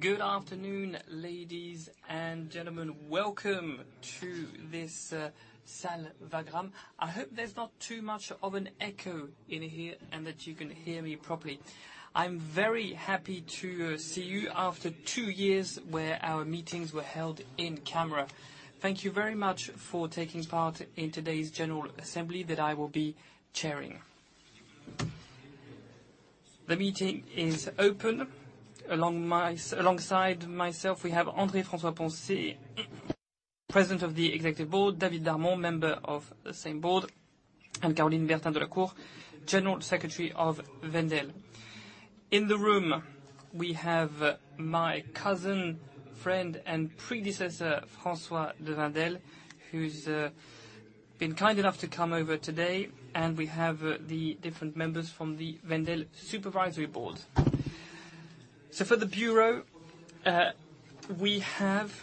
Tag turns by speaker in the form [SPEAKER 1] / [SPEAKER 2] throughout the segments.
[SPEAKER 1] Good afternoon, ladies and gentlemen. Welcome to this Salle Wagram. I hope there's not too much of an echo in here and that you can hear me properly. I'm very happy to see you after two years where our meetings were held in camera. Thank you very much for taking part in today's general assembly that I will be chairing. The meeting is open. Alongside myself, we have André François-Poncet, President of the Executive Board, David Darmon, member of the same board, and Caroline Bertin Delacour, General Secretary of Wendel. In the room, we have my cousin, friend, and predecessor, François de Wendel, who's been kind enough to come over today, and we have the different members from the Wendel Supervisory Board. For the bureau, we have.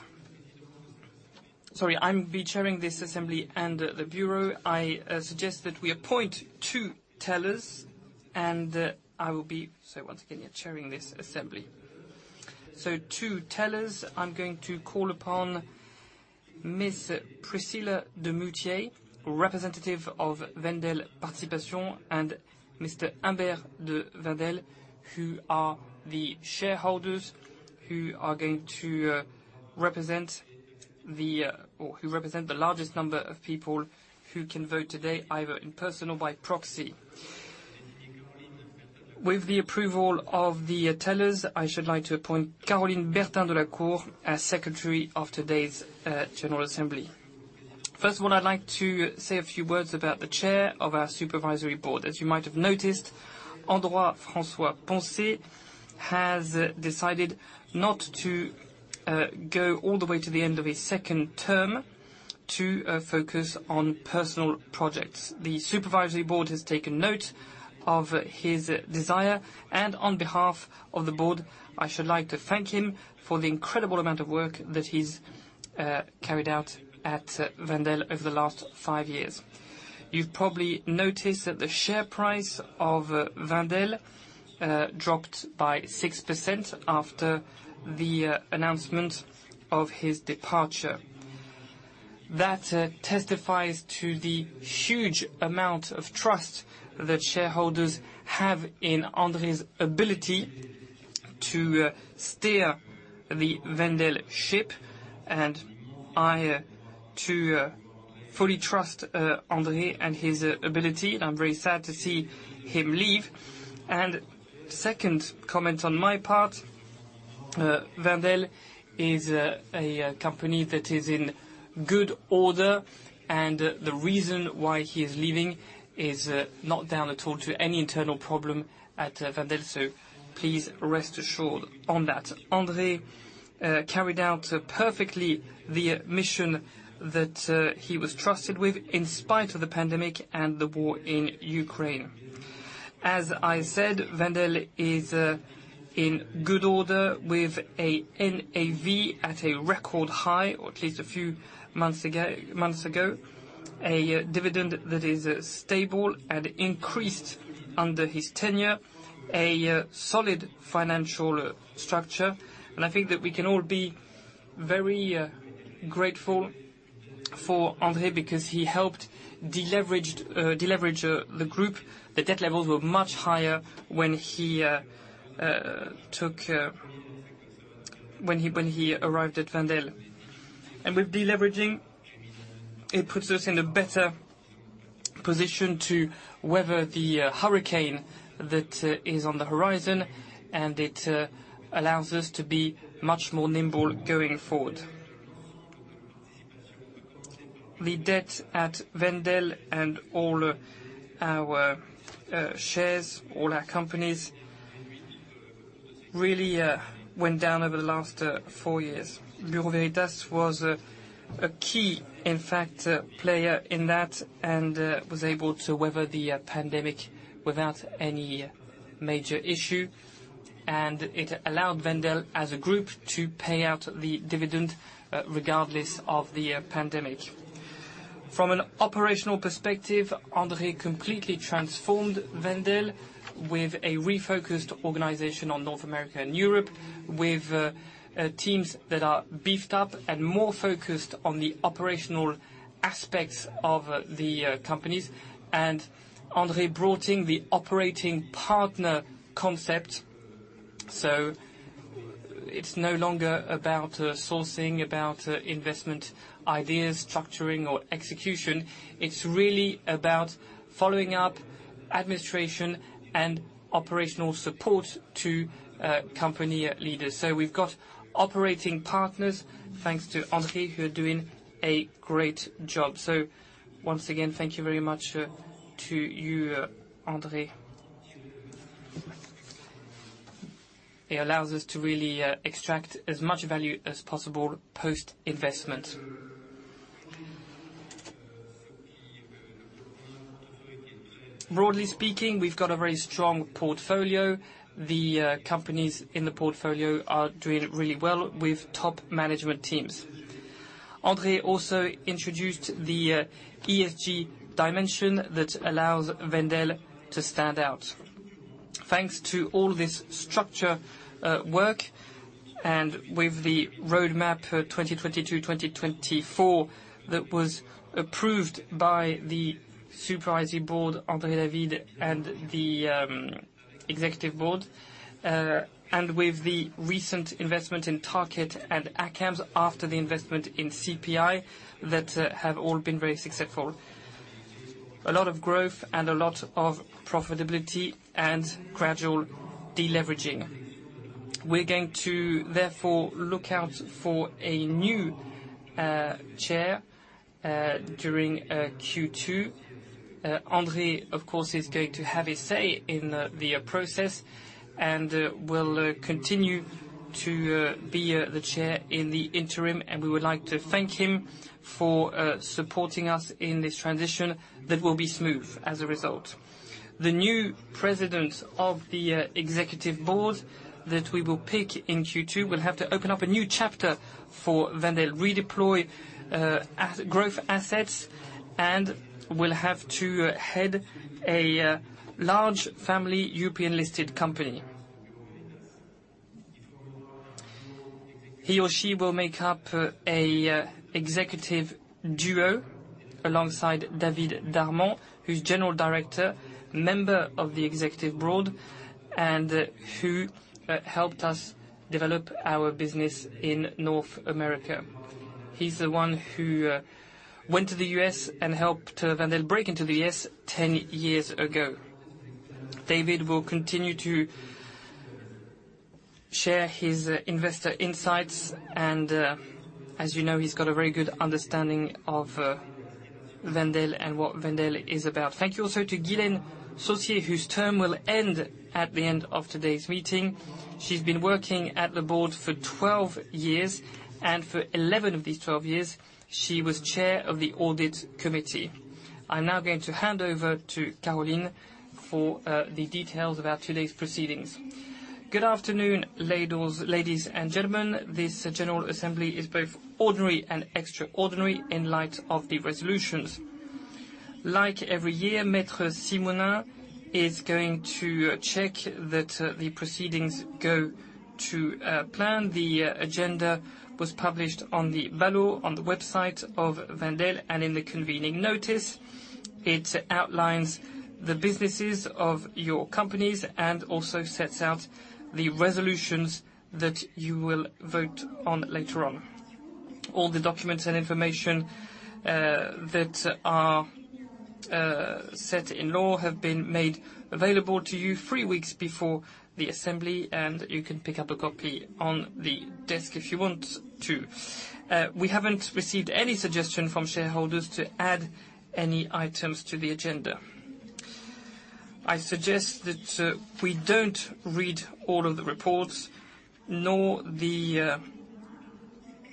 [SPEAKER 1] Sorry, I'll be chairing this assembly and the bureau. I suggest that we appoint two tellers and I will be, so once again, chairing this assembly. Two tellers. I'm going to call upon Miss Priscilla de Moustier, representative of Wendel-Participations, and Mr. Humbert de Wendel, who represent the largest number of people who can vote today, either in person or by proxy. With the approval of the tellers, I should like to appoint Caroline Bertin Delacour as secretary of today's general assembly. First of all, I'd like to say a few words about the chair of our supervisory board. As you might have noticed, André François-Poncet has decided not to go all the way to the end of his second term to focus on personal projects. The supervisory board has taken note of his desire, and on behalf of the board, I should like to thank him for the incredible amount of work that he's carried out at Wendel over the last five years. You've probably noticed that the share price of Wendel dropped by 6% after the announcement of his departure. That testifies to the huge amount of trust that shareholders have in André's ability to steer the Wendel ship, and I, too, fully trust André and his ability, and I'm very sad to see him leave. Second comment on my part, Wendel is a company that is in good order, and the reason why he is leaving is not down at all to any internal problem at Wendel. Please rest assured on that. André carried out perfectly the mission that he was trusted with in spite of the pandemic and the war in Ukraine. As I said, Wendel is in good order with a NAV at a record high, or at least a few months ago, a dividend that is stable and increased under his tenure, a solid financial structure. I think that we can all be very grateful for André because he helped deleverage the group. The debt levels were much higher when he arrived at Wendel. With deleveraging, it puts us in a better position to weather the hurricane that is on the horizon, and it allows us to be much more nimble going forward. The debt at Wendel and all our shares, all our companies really went down over the last four years. Bureau Veritas was a key, in fact, player in that and was able to weather the pandemic without any major issue. It allowed Wendel as a group to pay out the dividend regardless of the pandemic. From an operational perspective, André completely transformed Wendel with a refocused organization on North America and Europe, with teams that are beefed up and more focused on the operational aspects of the companies. André brought in the operating partner concept, so it's no longer about sourcing, about investment ideas, structuring or execution. It's really about following up administration and operational support to company leaders. We've got operating partners, thanks to André, who are doing a great job. Once again, thank you very much to you, André. It allows us to really extract as much value as possible post-investment. Broadly speaking, we've got a very strong portfolio. The companies in the portfolio are doing really well with top management teams. André also introduced the ESG dimension that allows Wendel to stand out. Thanks to all this structure, work, and with the roadmap for 2022, 2024, that was approved by the supervisory board, André, David, and the executive board, and with the recent investment in Tarkett and ACAMS after the investment in CPI that have all been very successful. A lot of growth and a lot of profitability and gradual deleveraging. We're going to therefore look out for a new chair during Q2. André, of course, is going to have his say in the process, and we'll continue to be the chair in the interim, and we would like to thank him for supporting us in this transition that will be smooth as a result. The new president of the executive board that we will pick in Q2 will have to open up a new chapter for Wendel, redeploy its growth assets and will have to head a large family European-listed company. He or she will make up an executive duo alongside David Darmon, who's General Director, member of the executive board, and who helped us develop our business in North America. He's the one who went to the U.S. and helped Wendel break into the U.S. 10 years ago. David will continue to share his investor insights, and, as you know, he's got a very good understanding of Wendel and what Wendel is about. Thank you also to Guylaine Saucier, whose term will end at the end of today's meeting. She's been working at the board for 12 years, and for 11 of these 12 years, she was chair of the audit committee. I'm now going to hand over to Caroline for the details of today's proceedings. Good afternoon, ladies and gentlemen. This general assembly is both ordinary and extraordinary in light of the resolutions. Like every year, Maître Simonin is going to check that the proceedings go to plan. The agenda was published on the bulletin on the website of Wendel and in the convening notice. It outlines the businesses of your companies and also sets out the resolutions that you will vote on later on. All the documents and information that are set in law have been made available to you three weeks before the assembly, and you can pick up a copy on the desk if you want to. We haven't received any suggestion from shareholders to add any items to the agenda. I suggest that we don't read all of the reports, nor the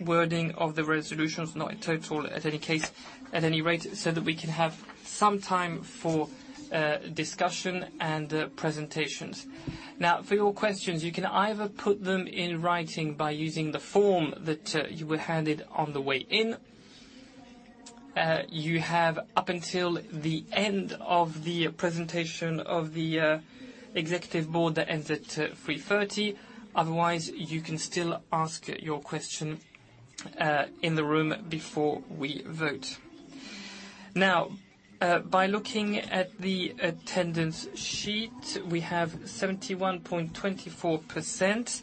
[SPEAKER 1] wording of the resolutions, not in total, in any case, at any rate, so that we can have some time for discussion and presentations. Now, for your questions, you can either put them in writing by using the form that you were handed on the way in. You have up until the end of the presentation of the executive board that ends at 3:30 P.M. Otherwise, you can still ask your question in the room before we vote. Now, by looking at the attendance sheet, we have 71.24%.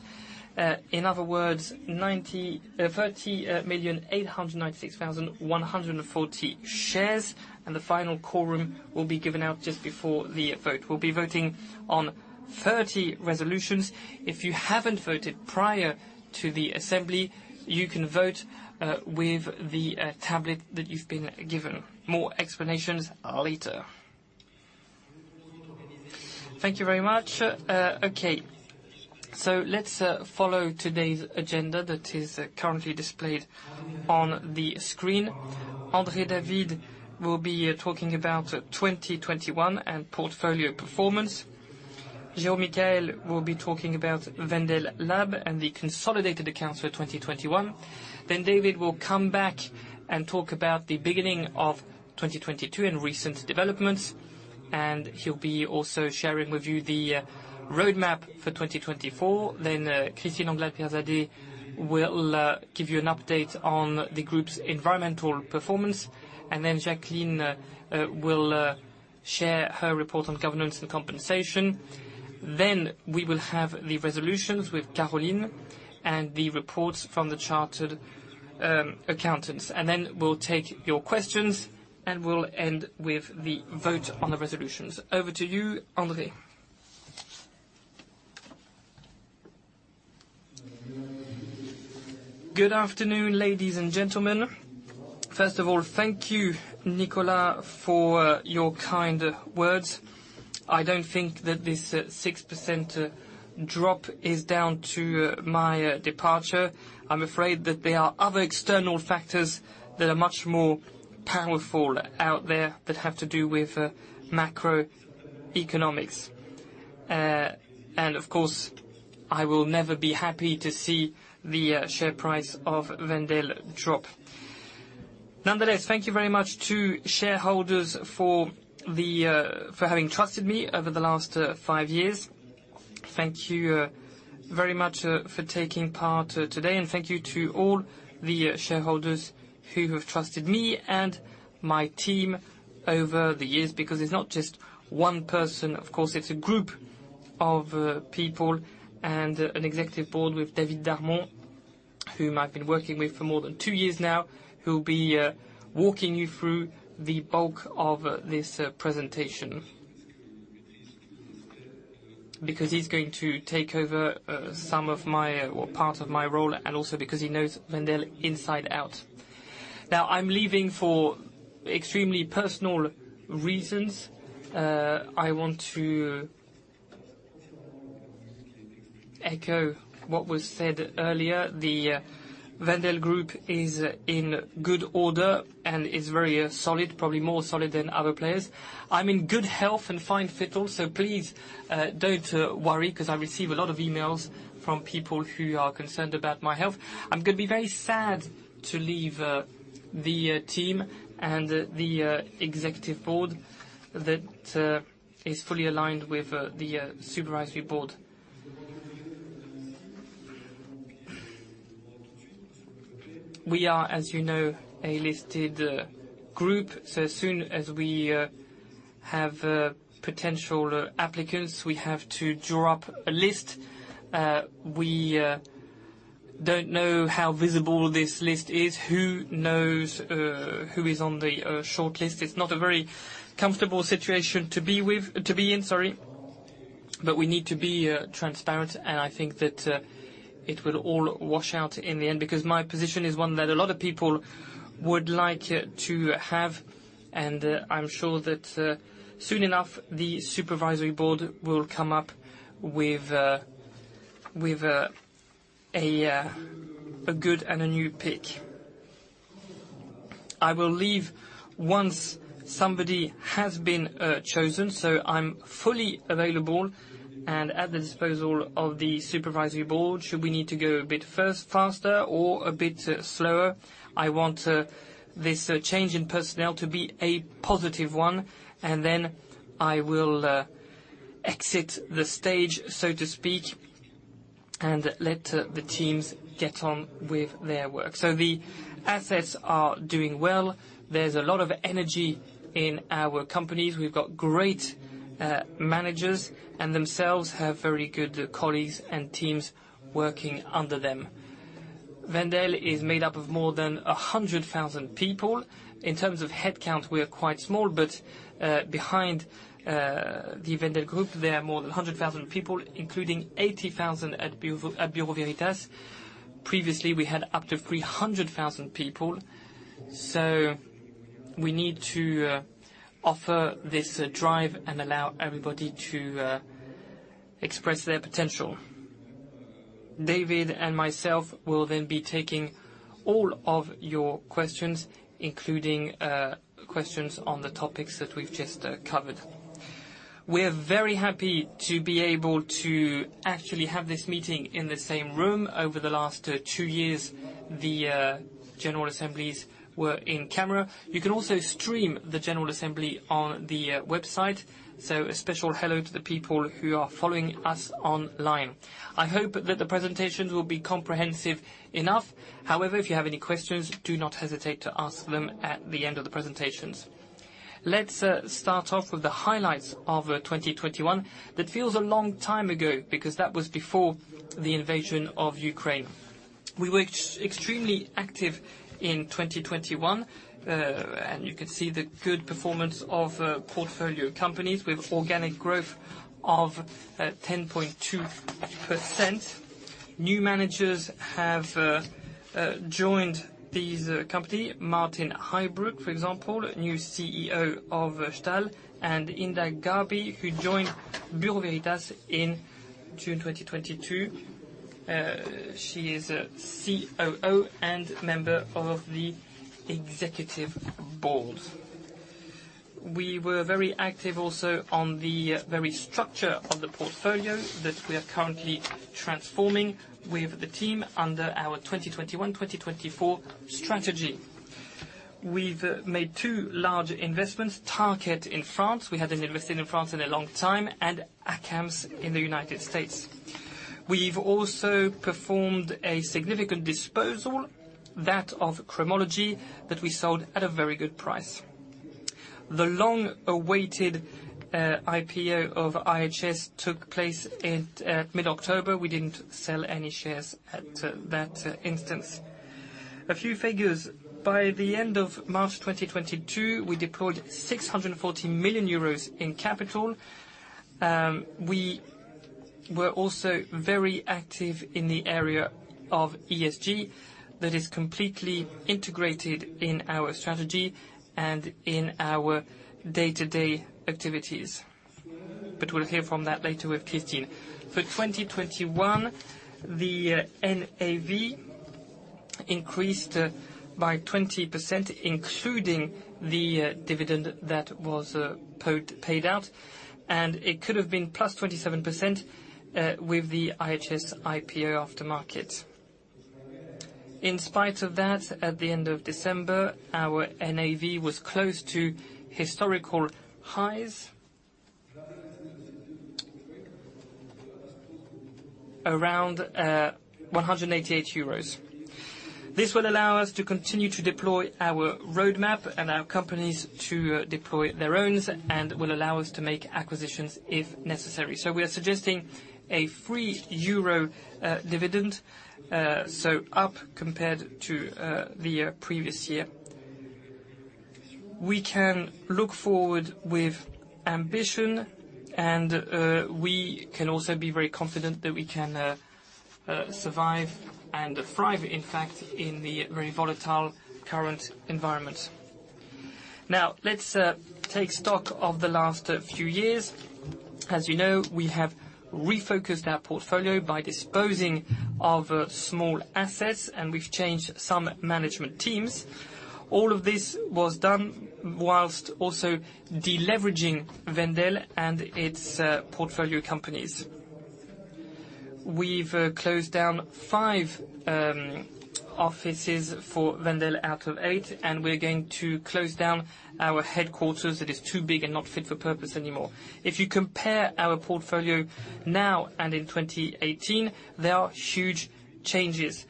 [SPEAKER 1] In other words, 30,896,140 million shares, and the final quorum will be given out just before the vote. We'll be voting on 30 resolutions. If you haven't voted prior to the assembly, you can vote with the tablet that you've been given. More explanations later. Thank you very much. Okay. Let's follow today's agenda that is currently displayed on the screen. David will be talking about 2021 and portfolio performance. Jérôme Michiels will be talking about Wendel Lab and the consolidated accounts for 2021. David will come back and talk about the beginning of 2022 and recent developments, and he'll be also sharing with you the roadmap for 2024. Christine Anglade-Pirzadeh will give you an update on the group's environmental performance, and Jacqueline will share her report on governance and compensation. We will have the resolutions with Caroline and the reports from the chartered accountants. We'll take your questions, and we'll end with the vote on the resolutions. Over to you, André.
[SPEAKER 2] Good afternoon, ladies and gentlemen. First of all, thank you, Nicolas, for your kind words. I don't think that this 6% drop is down to my departure. I'm afraid that there are other external factors that are much more powerful out there that have to do with macroeconomics. I will never be happy to see the share price of Wendel drop. Nonetheless, thank you very much to shareholders for having trusted me over the last 5 years. Thank you very much for taking part today, and thank you to all the shareholders who have trusted me and my team over the years, because it's not just one person, of course. It's a group of people and an executive board with David Darmon, whom I've been working with for more than 2 years now, who'll be walking you through the bulk of this presentation. He's going to take over some of my or part of my role and also because he knows Wendel inside out. Now, I'm leaving for extremely personal reasons. I want to echo what was said earlier. The Wendel Group is in good order and is very solid, probably more solid than other players. I'm in good health and fine fitness, so please, don't worry, 'cause I receive a lot of emails from people who are concerned about my health. I'm gonna be very sad to leave the team and the executive board that is fully aligned with the supervisory board. We are, as you know, a listed group, so as soon as we have potential applicants, we have to draw up a list. We don't know how visible this list is, who knows, who is on the short list. It's not a very comfortable situation to be in, sorry, but we need to be transparent, and I think that it will all wash out in the end because my position is one that a lot of people would like to have. I'm sure that soon enough, the Supervisory Board will come up with a good and new pick. I will leave once somebody has been chosen, so I'm fully available and at the disposal of the Supervisory Board, should we need to go a bit faster or a bit slower. I want this change in personnel to be a positive one, and then I will exit the stage, so to speak, and let the teams get on with their work. The assets are doing well. There's a lot of energy in our companies. We've got great managers and themselves have very good colleagues and teams working under them. Wendel is made up of more than 100,000 people. In terms of headcount, we are quite small, but behind the Wendel group, there are more than 100,000 people, including 80,000 at Bureau Veritas. Previously, we had up to 300,000 people. We need to offer this drive and allow everybody to express their potential. David and myself will then be taking all of your questions, including questions on the topics that we've just covered. We are very happy to be able to actually have this meeting in the same room. Over the last two years, the general assemblies were in camera. You can also stream the general assembly on the website. A special hello to the people who are following us online. I hope that the presentation will be comprehensive enough. However, if you have any questions, do not hesitate to ask them at the end of the presentations. Let's start off with the highlights of 2021. That feels a long time ago because that was before the invasion of Ukraine. We were extremely active in 2021, and you can see the good performance of portfolio companies with organic growth of 10.2%. New managers have joined this company, Maarten Heijbroek, for example, new CEO of Stahl, and Hinda Gharbi, who joined Bureau Veritas in June 2022. She is a COO and member of the executive board. We were very active also on the very structure of the portfolio that we are currently transforming with the team under our 2021-2024 strategy. We've made two large investments, Tarkett in France. We hadn't invested in France in a long time, and ACAMS in the United States. We've also performed a significant disposal, that of Cromology, that we sold at a very good price. The long-awaited IPO of IHS took place in mid-October. We didn't sell any shares at that instance. A few figures. By the end of March 2022, we deployed 640 million euros in capital. We were also very active in the area of ESG. That is completely integrated in our strategy and in our day-to-day activities. We'll hear from that later with Christine. For 2021, the NAV increased by 20%, including the dividend that was paid out, and it could have been +27% with the IHS IPO aftermarket. In spite of that, at the end of December, our NAV was close to historical highs. Around 188 euros. This will allow us to continue to deploy our roadmap and our companies to deploy their own, and will allow us to make acquisitions if necessary. We are suggesting a EUR 3 dividend. Up compared to the previous year. We can look forward with ambition, and we can also be very confident that we can survive and thrive, in fact, in the very volatile current environment. Now, let's take stock of the last few years. As you know, we have refocused our portfolio by disposing of small assets, and we've changed some management teams. All of this was done while also de-leveraging Wendel and its portfolio companies. We've closed down five offices for Wendel out of eight, and we're going to close down our headquarters. It is too big and not fit for purpose anymore. If you compare our portfolio now and in 2018, there are huge changes.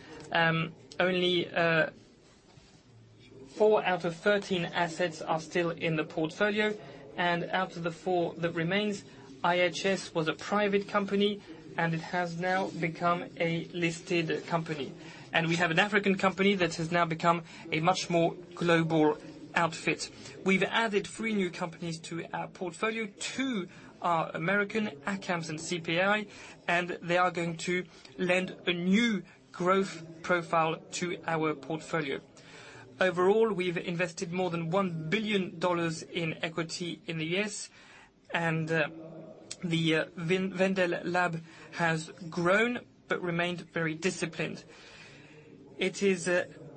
[SPEAKER 2] Only four out of 13 assets are still in the portfolio, and out of the four that remains, IHS was a private company, and it has now become a listed company. We have an African company that has now become a much more global outfit. We've added three new companies to our portfolio. Two are American, ACAMS and CPI, and they are going to lend a new growth profile to our portfolio. Overall, we've invested more than $1 billion in equity in the US, and the Wendel Lab has grown but remained very disciplined. It is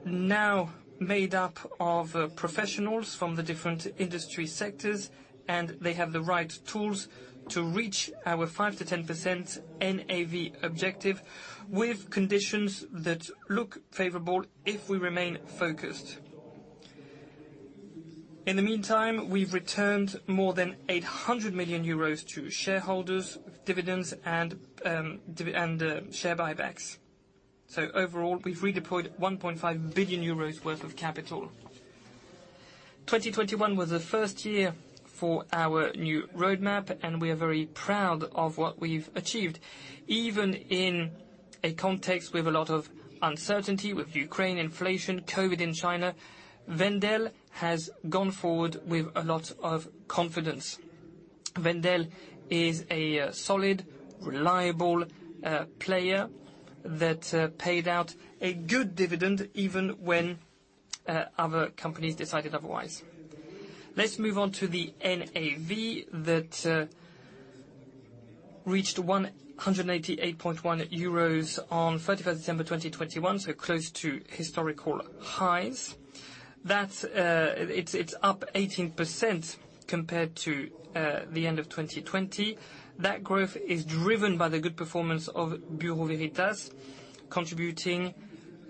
[SPEAKER 2] now made up of professionals from the different industry sectors, and they have the right tools to reach our 5%-10% NAV objective with conditions that look favorable if we remain focused. In the meantime, we've returned more than 800 million euros to shareholders, dividends and share buybacks. Overall, we've redeployed 1.5 billion euros worth of capital. 2021 was the first year for our new roadmap, and we are very proud of what we've achieved. Even in a context with a lot of uncertainty, with Ukraine inflation, COVID in China, Wendel has gone forward with a lot of confidence. Wendel is a solid, reliable player that paid out a good dividend even when other companies decided otherwise. Let's move on to the NAV that reached 188.1 euros on December 31, 2021, so close to historical highs. That's. It's up 18% compared to the end of 2020. That growth is driven by the good performance of Bureau Veritas, contributing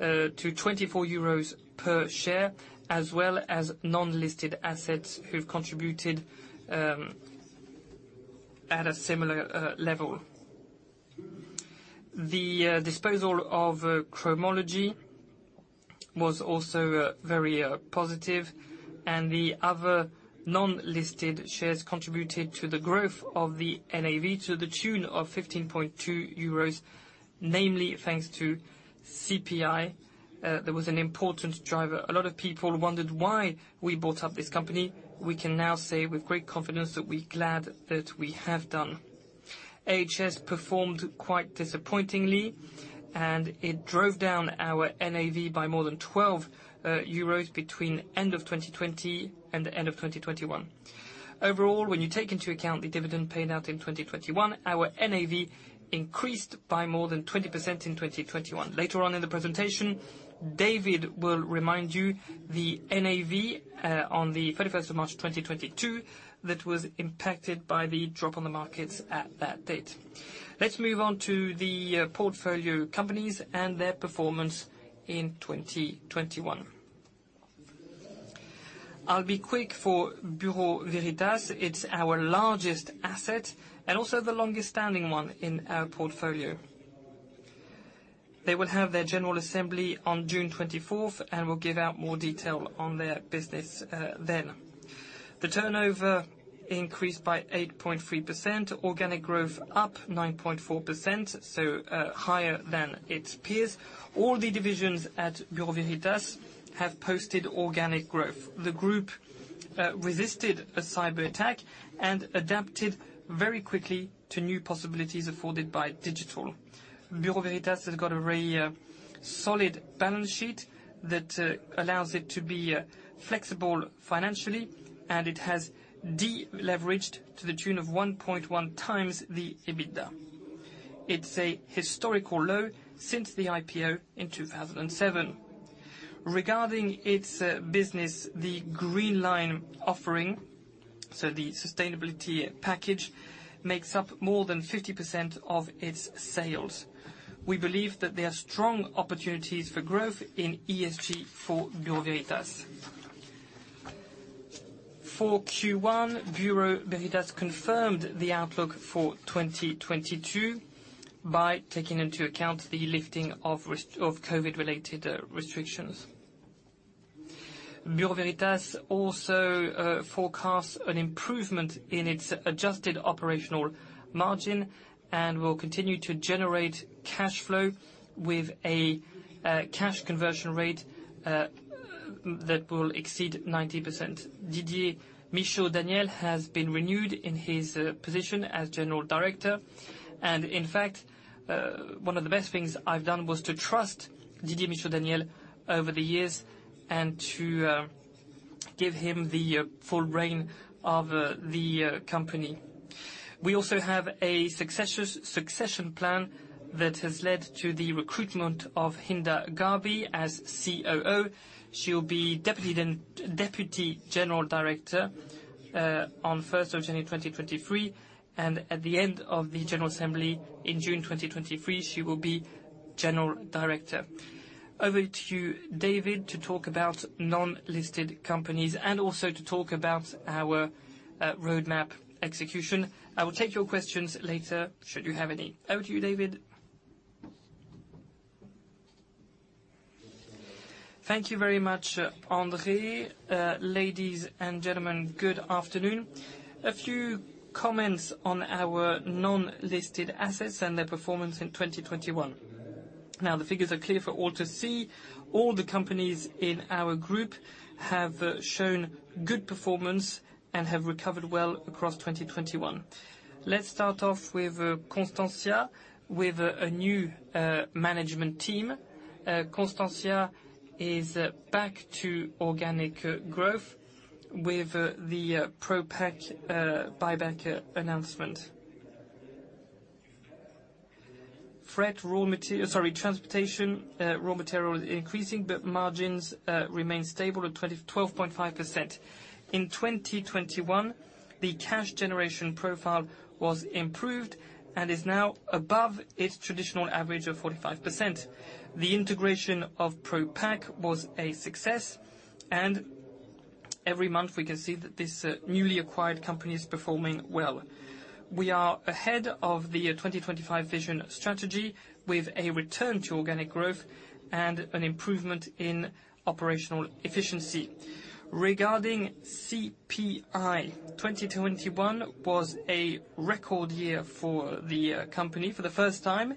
[SPEAKER 2] to 24 euros per share, as well as non-listed assets who've contributed at a similar level. The disposal of Cromology was also very positive, and the other non-listed shares contributed to the growth of the NAV to the tune of 15.2 euros, namely thanks to CPI. There was an important driver. A lot of people wondered why we bought up this company. We can now say with great confidence that we're glad that we have done. IHS performed quite disappointingly, and it drove down our NAV by more than 12 euros between end of 2020 and the end of 2021. Overall, when you take into account the dividend paid out in 2021, our NAV increased by more than 20% in 2021. Later on in the presentation, David will remind you the NAV on March 31, 2022, that was impacted by the drop on the markets at that date. Let's move on to the portfolio companies and their performance in 2021. I'll be quick for Bureau Veritas. It's our largest asset and also the longest standing one in our portfolio. They will have their general assembly on June 24th and will give out more detail on their business, then. The turnover increased by 8.3%. Organic growth up 9.4%, so, higher than its peers. All the divisions at Bureau Veritas have posted organic growth. The group resisted a cyberattack and adapted very quickly to new possibilities afforded by digital. Bureau Veritas has got a very solid balance sheet that allows it to be flexible financially, and it has de-leveraged to the tune of 1.1x the EBITDA. It's a historical low since the IPO in 2007. Regarding its business, the Green Line offering, so the sustainability package, makes up more than 50% of its sales. We believe that there are strong opportunities for growth in ESG for Bureau Veritas. For Q1, Bureau Veritas confirmed the outlook for 2022 by taking into account the lifting of COVID-related restrictions. Bureau Veritas also forecasts an improvement in its adjusted operational margin and will continue to generate cash flow with a cash conversion rate that will exceed 90%. Didier Michaud-Daniel has been renewed in his position as General Director. In fact, one of the best things I've done was to trust Didier Michaud-Daniel over the years and to give him the full rein of the company. We also have a succession plan that has led to the recruitment of Hinda Gharbi as COO. She'll be deputy then, Deputy General Director, on first of January 2023, and at the end of the general assembly in June 2023, she will be General Director. Over to you, David, to talk about non-listed companies and also to talk about our roadmap execution. I will take your questions later, should you have any. Over to you, David.
[SPEAKER 3] Thank you very much, André. Ladies and gentlemen, good afternoon. A few comments on our non-listed assets and their performance in 2021. Now, the figures are clear for all to see. All the companies in our group have shown good performance and have recovered well across 2021. Let's start off with Constantia Flexibles with a new management team. Constantia is back to organic growth with the Propak buyout announcement. Transportation, raw material is increasing, but margins remain stable at 12.5%. In 2021, the cash generation profile was improved and is now above its traditional average of 45%. The integration of Propak was a success, and every month, we can see that this newly acquired company is performing well. We are ahead of the 2025 vision strategy with a return to organic growth and an improvement in operational efficiency. Regarding CPI, 2021 was a record year for the company for the first time.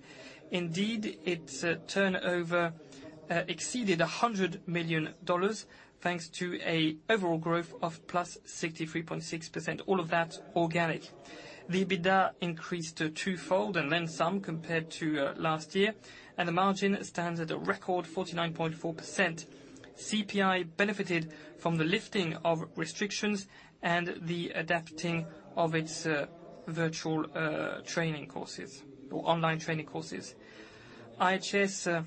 [SPEAKER 3] Indeed, its turnover exceeded $100 million, thanks to an overall growth of +63.6%, all of that organic. The EBITDA increased twofold and then some compared to last year, and the margin stands at a record 49.4%. CPI benefited from the lifting of restrictions and the adapting of its virtual training courses or online training courses. IHS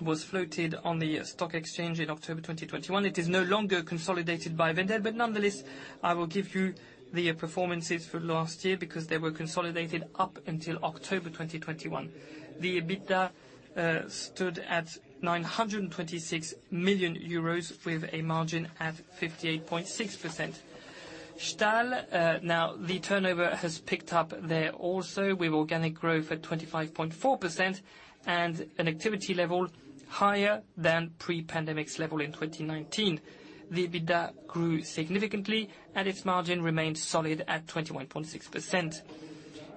[SPEAKER 3] was floated on the stock exchange in October 2021. It is no longer consolidated by Wendel, but nonetheless, I will give you the performances for last year because they were consolidated up until October 2021. The EBITDA stood at 926 million euros with a margin at 58.6%. Stahl now the turnover has picked up there also, with organic growth at 25.4% and an activity level higher than pre-pandemic level in 2019. The EBITDA grew significantly, and its margin remained solid at 21.6%.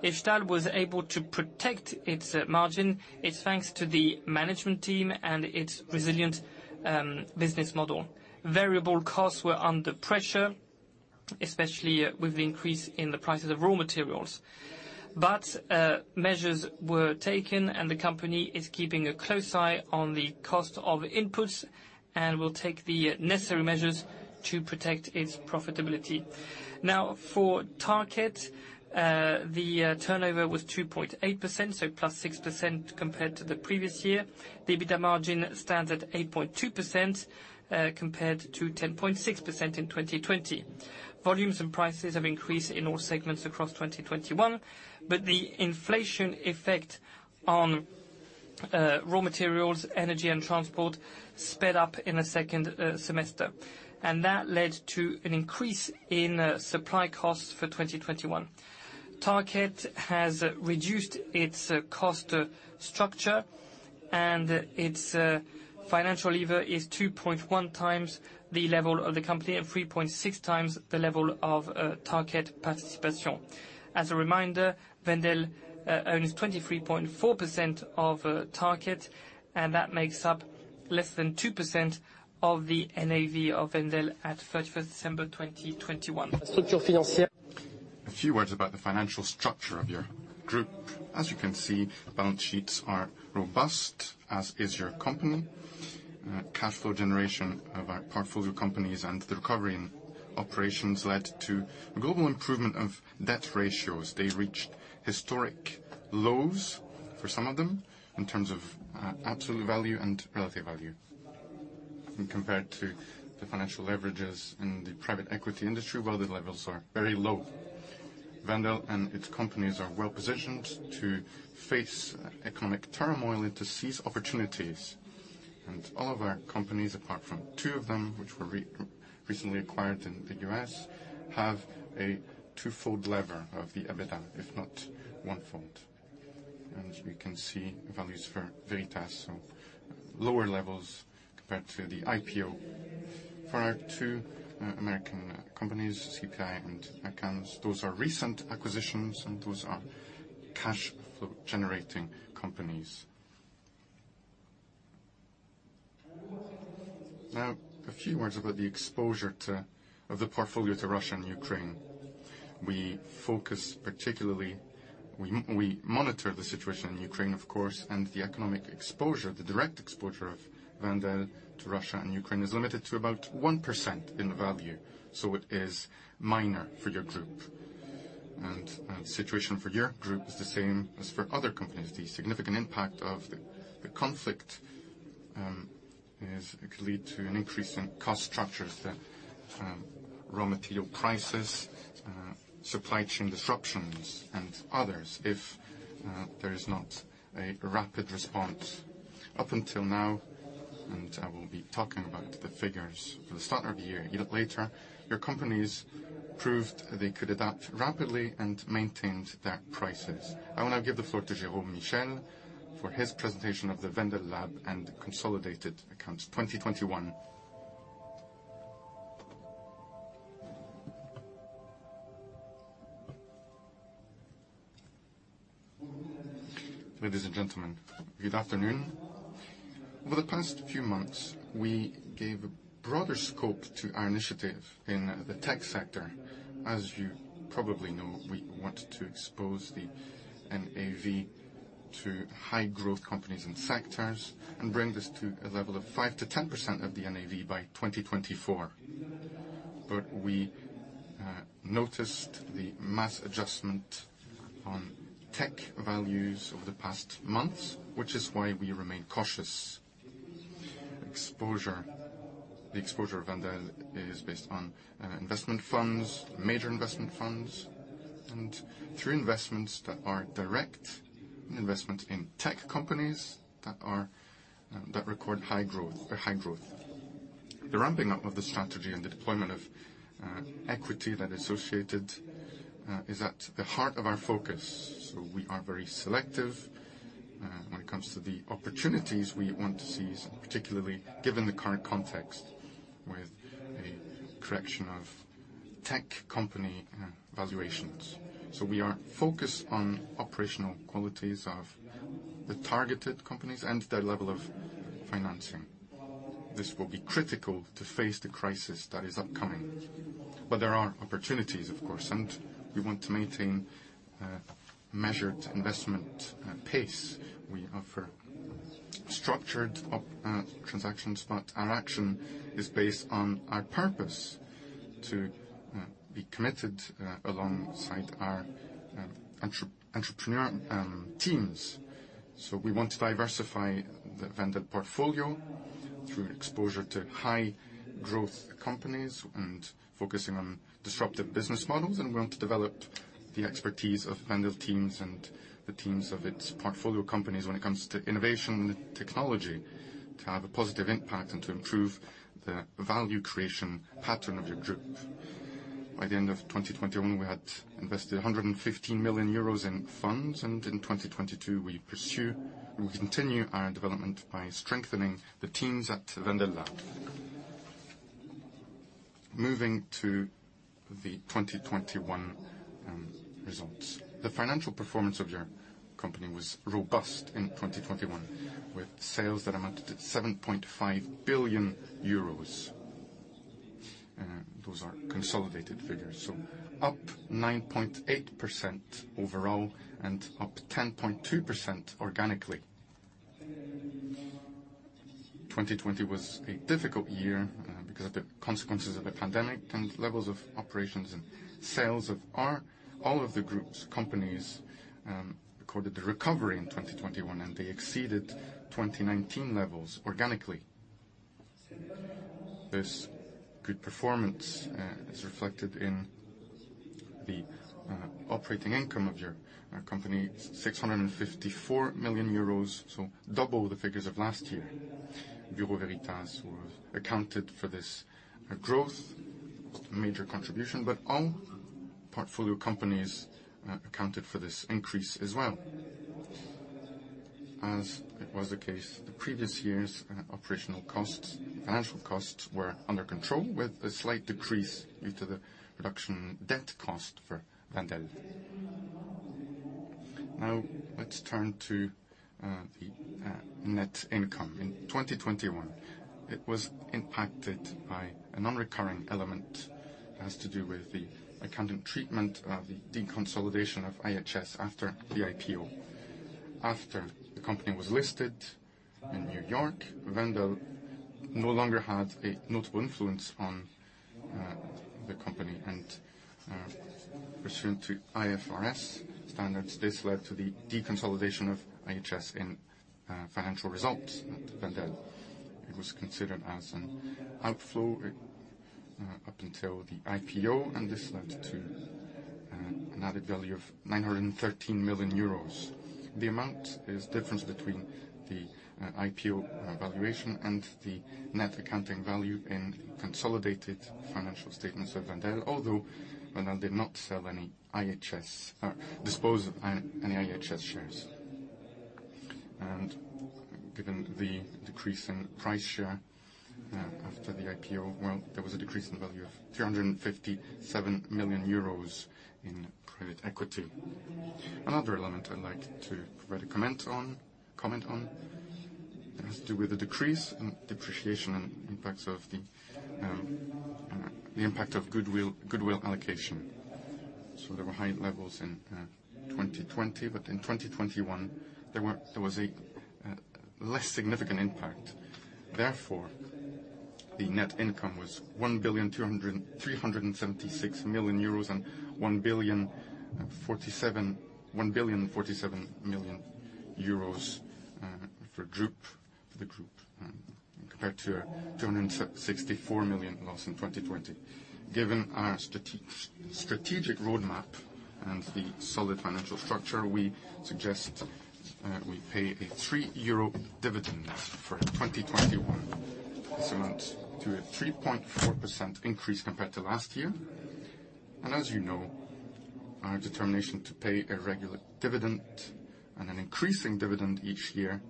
[SPEAKER 3] If Stahl was able to protect its margin, it's thanks to the management team and its resilient business model. Variable costs were under pressure, especially with the increase in the prices of raw materials. Measures were taken, and the company is keeping a close eye on the cost of inputs and will take the necessary measures to protect its profitability. Now, for Tarkett the turnover was 2.8%, so +6% compared to the previous year. The EBITDA margin stands at 8.2% compared to 10.6% in 2020. Volumes and prices have increased in all segments across 2021, but the inflation effect on raw materials, energy, and transport sped up in the second semester, and that led to an increase in supply costs for 2021. Tarkett has reduced its cost structure, and its financial leverage is 2.1x the level of the company and 3.6x the level of Tarkett participation. As a reminder, Wendel owns 23.4% of Tarkett, and that makes up less than 2% of the NAV of Wendel at December 31, 2021. A few words about the financial structure of your group. As you can see, balance sheets are robust, as is your company. Cash flow generation of our portfolio companies and the recovery in Operations led to global improvement of debt ratios. They reached historic lows for some of them in terms of absolute value and relative value. Compared to the financial leverages in the private equity industry, well, the levels are very low. Wendel and its companies are well-positioned to face economic turmoil and to seize opportunities. All of our companies, apart from two of them, which were recently acquired in the US, have a twofold leverage of the EBITDA, if not onefold. As we can see values for Bureau Veritas are lower levels compared to the IPO. For our two American companies, CPI and IHS, those are recent acquisitions, and those are cash flow generating companies. Now, a few words about the exposure of the portfolio to Russia and Ukraine. We focus particularly. We monitor the situation in Ukraine, of course, and the economic exposure, the direct exposure of Wendel to Russia and Ukraine is limited to about 1% in value, so it is minor for your group. The situation for your group is the same as for other companies. The significant impact of the conflict is. It could lead to an increase in cost structures, the raw material prices, supply chain disruptions and others if there is not a rapid response. Up until now, I will be talking about the figures for the start of the year a little later, your companies proved they could adapt rapidly and maintained their prices. I want to give the floor to Jérôme Michiels for his presentation of the Wendel Lab and consolidated accounts 2021.
[SPEAKER 4] Ladies and gentlemen, good afternoon. Over the past few months, we gave a broader scope to our initiative in the tech sector. As you probably know, we want to expose the NAV to high growth companies and sectors and bring this to a level of 5%-10% of the NAV by 2024. We noticed the market adjustment on tech values over the past month, which is why we remain cautious. Exposure. The exposure of Wendel is based on investment funds, major investment funds, and through investments that are direct investments in tech companies that record high growth. The ramping up of the strategy and the deployment of equity that's associated is at the heart of our focus. We are very selective when it comes to the opportunities we want to seize, particularly given the current context with a correction of tech company valuations. We are focused on operational qualities of the targeted companies and their level of financing. This will be critical to face the crisis that is upcoming. There are opportunities of course, and we want to maintain a measured investment pace. We offer structured op transactions, but our action is based on our purpose to be committed alongside our entrepreneurial teams. We want to diversify the Wendel portfolio through exposure to high growth companies and focusing on disruptive business models. We want to develop the expertise of Wendel teams and the teams of its portfolio companies when it comes to innovation technology to have a positive impact and to improve the value creation pattern of your group. By the end of 2021, we had invested 115 million euros in funds, and in 2022, we continue our development by strengthening the teams at Wendel Lab. Moving to the 2021 results. The financial performance of your company was robust in 2021, with sales that amounted to 7.5 billion euros. Those are consolidated figures, so up 9.8% overall and up 10.2% organically. 2020 was a difficult year, because of the consequences of the pandemic and levels of operations and sales of our. All of the group's companies recorded a recovery in 2021, and they exceeded 2019 levels organically. This good performance is reflected in the operating income of our company, 654 million euros, so double the figures of last year. Bureau Veritas accounted for this growth, major contribution, but all portfolio companies accounted for this increase as well. As it was the case the previous years, operational costs, financial costs were under control with a slight decrease due to the reduction in debt cost for Wendel. Now, let's turn to the net income. In 2021, it was impacted by a non-recurring element that has to do with the accounting treatment of the deconsolidation of IHS after the IPO. After the company was listed in New York, Wendel no longer had a notable influence on the company. Pursuant to IFRS standards, this led to the deconsolidation of IHS in financial results at Wendel. It was considered as an outflow up until the IPO, and this led to an added value of 913 million euros. The amount is difference between the IPO valuation and the net accounting value in consolidated financial statements of Wendel, although Wendel did not sell any IHS or dispose of any IHS shares. Given the decrease in share price after the IPO, well, there was a decrease in the value of 357 million euros in private equity. Another element I'd like to provide a comment on has to do with the decrease in depreciation and impacts of the impact of goodwill allocation. There were high levels in 2020, but in 2021, there was a less significant impact. Therefore, the net income was 1,236 million euros and 1,047 million euros for the group compared to a 264 million loss in 2020. Given our strategic roadmap and the solid financial structure, we suggest we pay a 3 euro dividend for 2021. This amounts to a 3.4% increase compared to last year. As you know, our determination to pay a regular dividend and an increasing dividend each year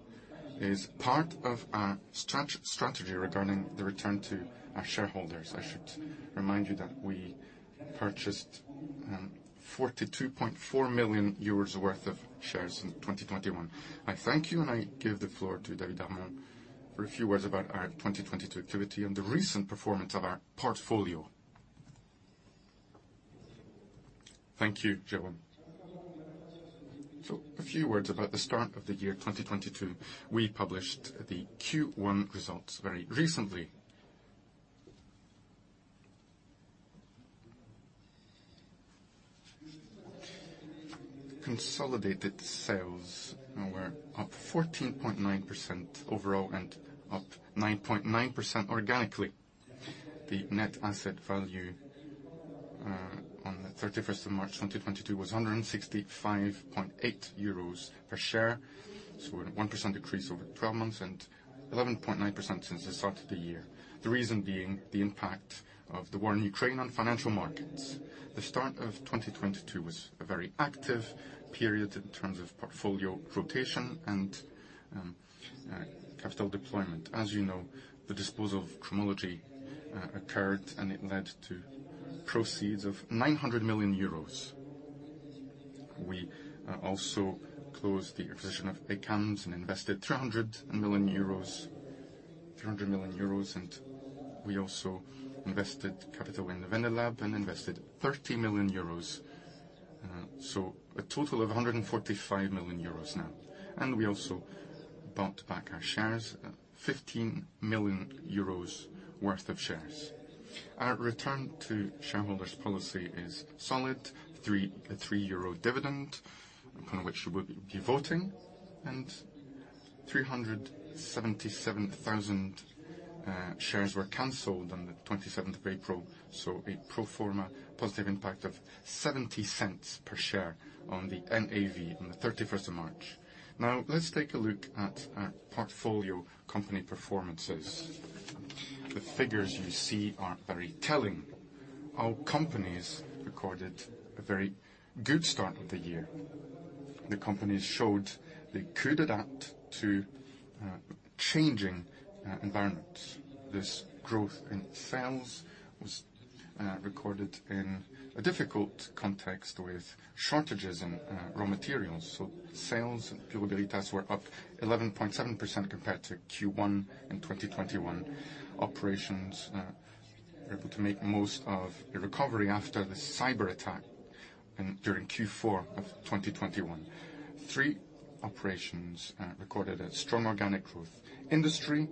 [SPEAKER 4] is part of our strategy regarding the return to our shareholders. I should remind you that we purchased 42.4 million euros worth of shares in 2021. I thank you, and I give the floor to David Darmon for a few words about our 2022 activity and the recent performance of our portfolio.
[SPEAKER 3] Thank you, Jérôme Michiels. A few words about the start of the year 2022. We published the Q1 results very recently. Consolidated sales were up 14.9% overall and up 9.9% organically. The net asset value on March 31, 2022, was 165.8 euros per share, so a 1% decrease over 12 months and 11.9% since the start of the year. The reason being the impact of the war in Ukraine on financial markets. The start of 2022 was a very active period in terms of portfolio rotation and capital deployment. As you know, the disposal of Cromology occurred, and it led to proceeds of 900 million euros. We also closed the acquisition of EcoVadis and invested 300 million euros, and we also invested capital in the Wendel Lab and invested 30 million euros. A total of 145 million euros now. We also bought back our shares at 15 million euros worth of shares. Our return to shareholders policy is solid, a 3 euro dividend, upon which you will be voting, and 377,000 shares were canceled on the 27th of April, so a pro forma positive impact of 0.70 per share on the NAV on the 31st of March. Now, let's take a look at our portfolio company performances. The figures you see are very telling. Our companies recorded a very good start of the year. The companies showed they could adapt to changing environments. This growth in sales was recorded in a difficult context with shortages in raw materials. Sales at Bureau Veritas were up 11.7% compared to Q1 in 2021. Operations were able to make the most of a recovery after the cyberattack during Q4 of 2021. Three operations recorded a strong organic growth. Industry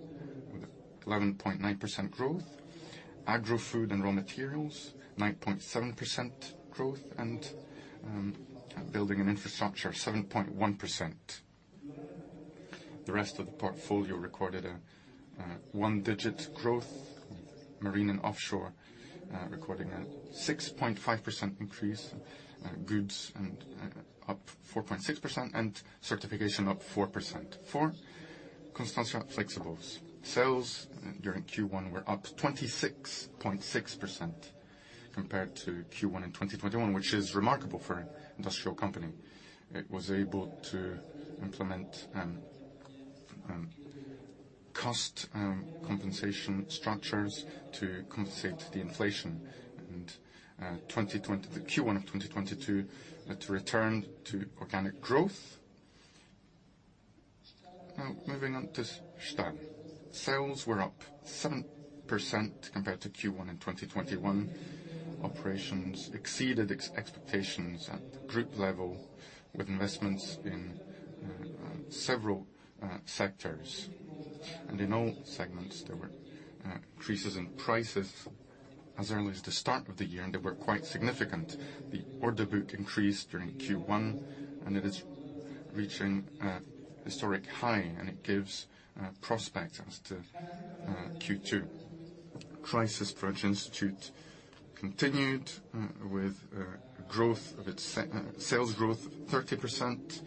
[SPEAKER 3] with 11.9% growth. Agro-food and raw materials, 9.7% growth. Building and infrastructure, 7.1%. The rest of the portfolio recorded a single-digit growth. Marine and offshore recording a 6.5% increase. Goods up 4.6%, and certification up 4%. For Constantia Flexibles, sales during Q1 were up 26.6% compared to Q1 in 2021, which is remarkable for an industrial company. It was able to implement cost compensation structures to compensate the inflation. The Q1 of 2022 led to return to organic growth. Now moving on to Stahl. Sales were up 7% compared to Q1 in 2021. Operations exceeded expectations at group level with investments in several sectors. In all segments, there were increases in prices as early as the start of the year, and they were quite significant. The order book increased during Q1, and it is reaching a historic high, and it gives prospects as to Q2. Crisis Prevention Institute continued with growth of its sales growth 30%.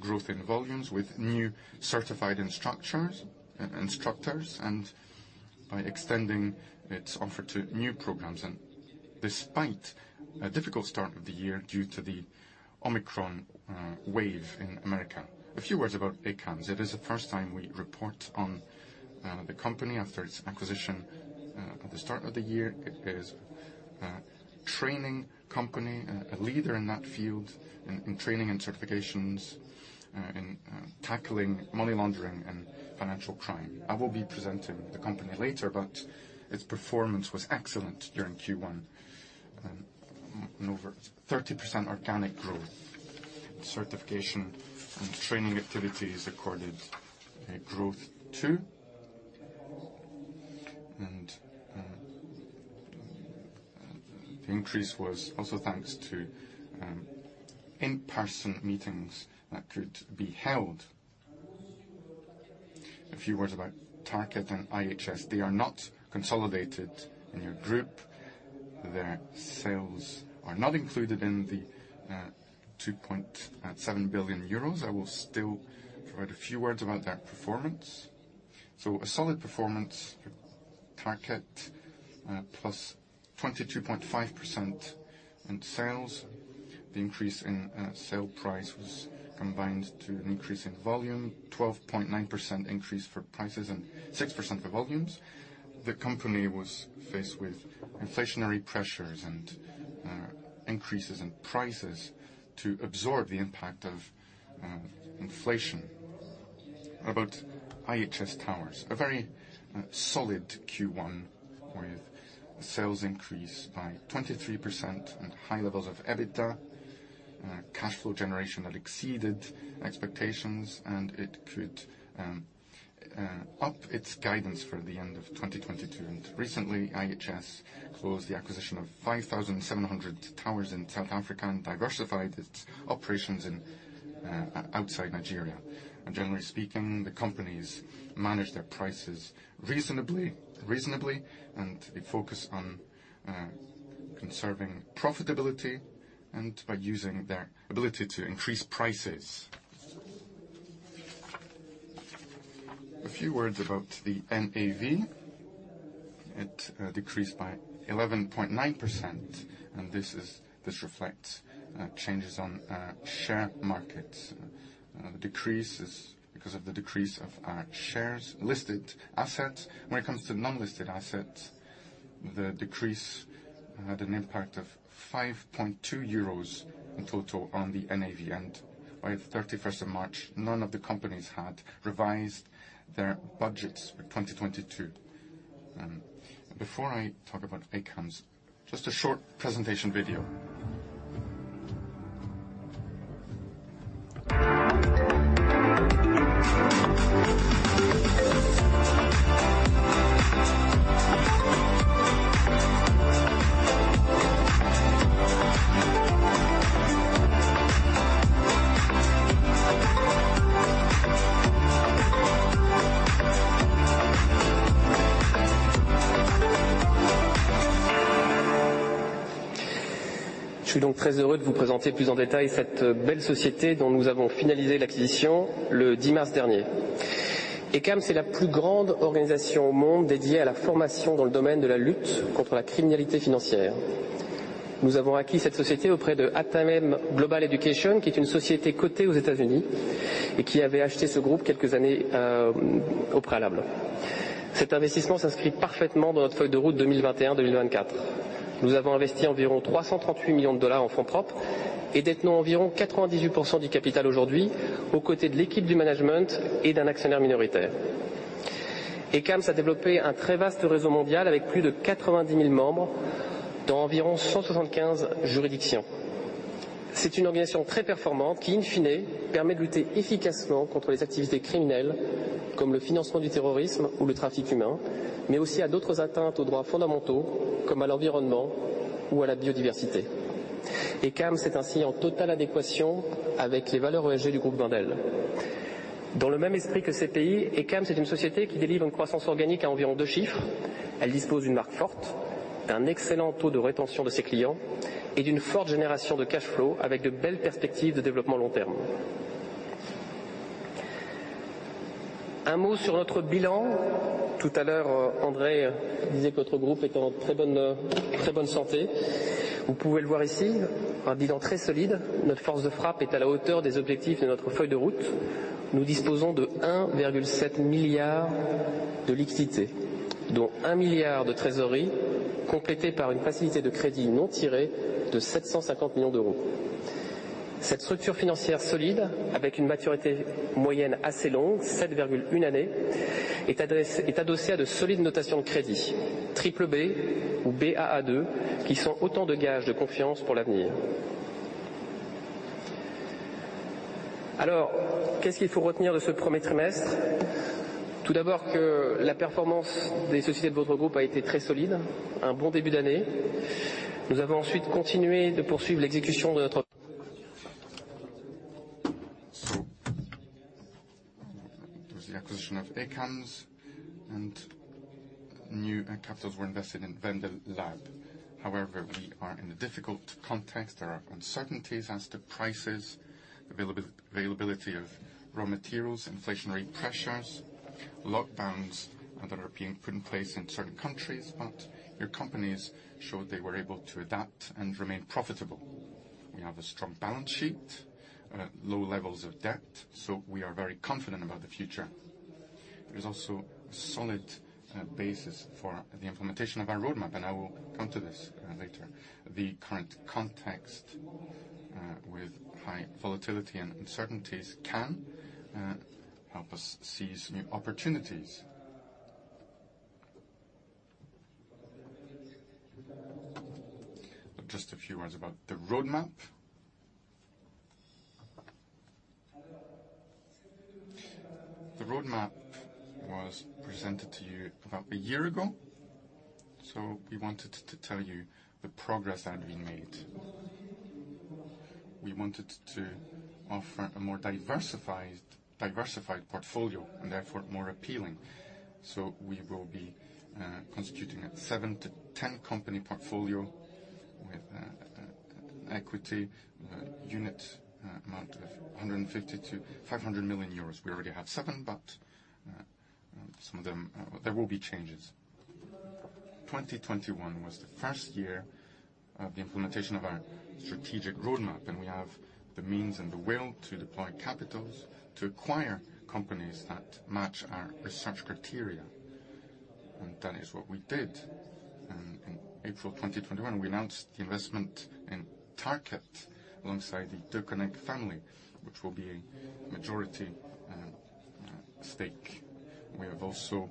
[SPEAKER 3] Growth in volumes with new certified instructors and by extending its offer to new programs. Despite a difficult start of the year due to the Omicron wave in America. A few words about ACAMS. It is the first time we report on the company after its acquisition at the start of the year. It is a training company, a leader in that field in training and certifications in tackling money laundering and financial crime. I will be presenting the company later, but its performance was excellent during Q1. Over 30% organic growth. Certification and training activities accounted for a growth too. The increase was also thanks to in-person meetings that could be held. A few words about Tarkett and IHS. They are not consolidated in your group. Their sales are not included in the 2.7 billion euros. I will still provide a few words about their performance. A solid performance. Tarkett +22.5% in sales. The increase in sale price was combined to an increase in volume, 12.9% increase for prices and 6% for volumes. The company was faced with inflationary pressures and increases in prices to absorb the impact of inflation. About IHS Towers, a very solid Q1 with sales increase by 23% and high levels of EBITDA cash flow generation that exceeded expectations, and it could up its guidance for the end of 2022. Recently, IHS closed the acquisition of 5,700 towers in South Africa and diversified its operations outside Nigeria. Generally speaking, the companies manage their prices reasonably, and they focus on conserving profitability and by using their ability to increase prices. A few words about the NAV. It decreased by 11.9%, and this reflects changes on share markets. The decrease is because of the decrease of shares, listed assets. When it comes to non-listed assets, the decrease had an impact of 5.2 euros in total on the NAV. By the thirty-first of March, none of the companies had revised their budgets for 2022. Before I talk about ACAMS, just a short presentation video. I am very happy to present you in more detail this great company whose acquisition we finalized last March tenth. ACAMS is the largest organization in the world dedicated to training in the field of fighting financial crime. We acquired this company from Adtalem Global Education, which is a company listed in lockdowns that are being put in place in certain countries. Your companies showed they were able to adapt and remain profitable. We have a strong balance sheet, low levels of debt, so we are very confident about the future. There's also a solid basis for the implementation of our roadmap, and I will come to this later. The current context with high volatility and uncertainties can help us seize new opportunities. Just a few words about the roadmap. The roadmap was presented to you about a year ago, so we wanted to tell you the progress that we made. We wanted to offer a more diversified portfolio and therefore more appealing. We will be constituting a seven to 10 company portfolio with equity investment amount of 150 million-500 million euros. We already have seven, but some of them. There will be changes. 2021 was the first year of the implementation of our strategic roadmap, and we have the means and the will to deploy capital to acquire companies that match our research criteria, and that is what we did. In April 2021, we announced the investment in Tarkett alongside the Deconinck family, which will be a majority stake. We have also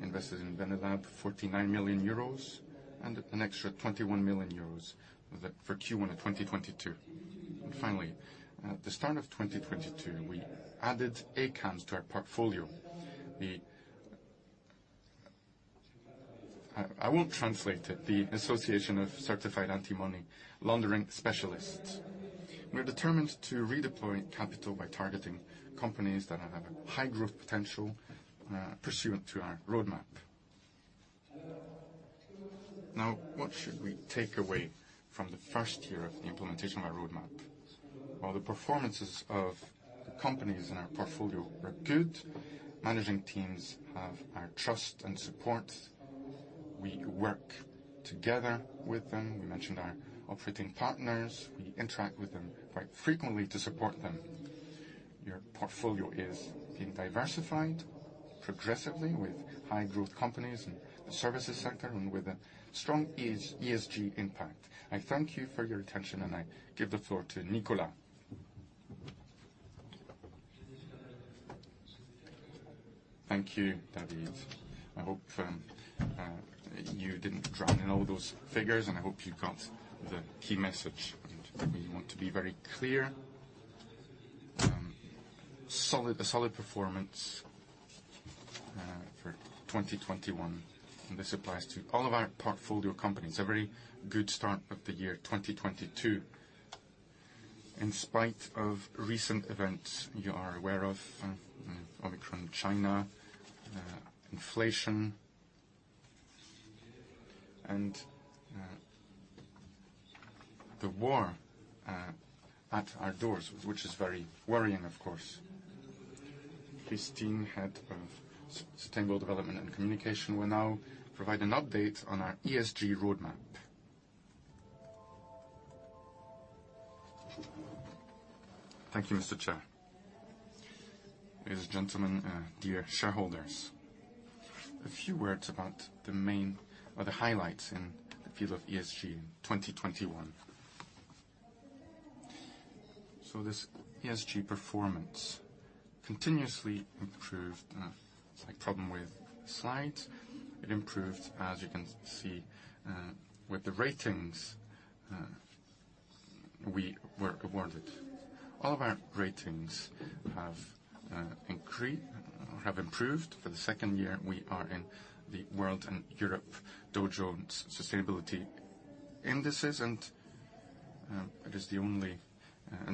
[SPEAKER 3] invested in Wendel Lab 49 million euros and an extra 21 million euros with it for Q1 of 2022. Finally, at the start of 2022, we added ACAMS to our portfolio, the Association of Certified Anti-Money Laundering Specialists. We're determined to redeploy capital by targeting companies that have a high growth potential pursuant to our roadmap. Now, what should we take away from the first year of the implementation of our roadmap? While the performances of the companies in our portfolio are good, managing teams have our trust and support. We work together with them. We mentioned our operating partners. We interact with them quite frequently to support them. Your portfolio is being diversified progressively with high growth companies in the services sector and with a strong ESG impact. I thank you for your attention, and I give the floor to Nicolas. Thank you, David.
[SPEAKER 1] I hope you didn't drown in all those figures, and I hope you got the key message. We want to be very clear. A solid performance for 2021, and this applies to all of our portfolio companies. A very good start of the year 2022. In spite of recent events you are aware of, Omicron, China, inflation, and the war at our doors, which is very worrying, of course. Christine, head of sustainable development and communication, will now provide an update on our ESG roadmap.
[SPEAKER 5] Thank you, Mr. Chair. Ladies, gentlemen, dear shareholders, a few words about the main or the highlights in the field of ESG in 2021. This ESG performance continuously improved. Slight problem with slides. It improved, as you can see, with the ratings we were awarded. All of our ratings have improved. For the second year, we are in the World and Europe Dow Jones Sustainability Indices, and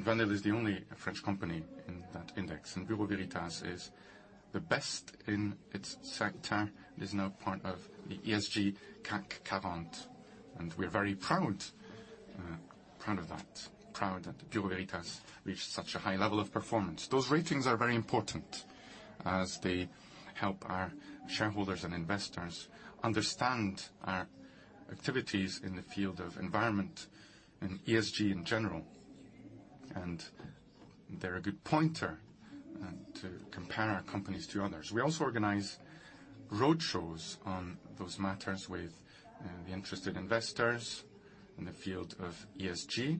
[SPEAKER 5] Wendel is the only French company in that index. Bureau Veritas is the best in its sector. It is now part of the CAC 40 ESG, and we're very proud of that. Proud that Bureau Veritas reached such a high level of performance. Those ratings are very important as they help our shareholders and investors understand our activities in the field of environmental and ESG in general. They're a good pointer to compare our companies to others. We also organize road shows on those matters with the interested investors in the field of ESG.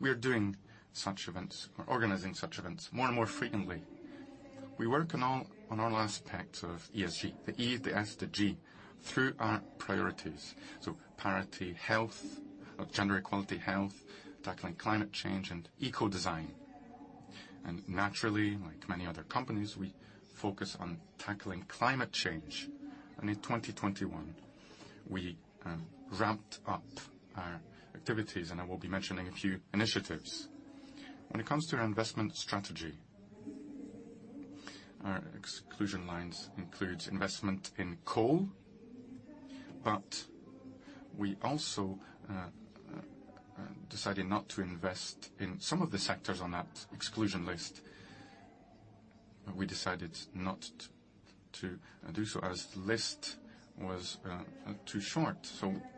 [SPEAKER 5] We are doing such events, or organizing such events more and more frequently. We work on all aspects of ESG, the E, the S, the G through our priorities. Priority health and gender equality, tackling climate change, and eco design. Naturally, like many other companies, we focus on tackling climate change. In 2021, we ramped up our activities, and I will be mentioning a few initiatives. When it comes to our investment strategy, our exclusion lines includes investment in coal, but we also decided not to invest in some of the sectors on that exclusion list. We decided not to do so as the list was too short.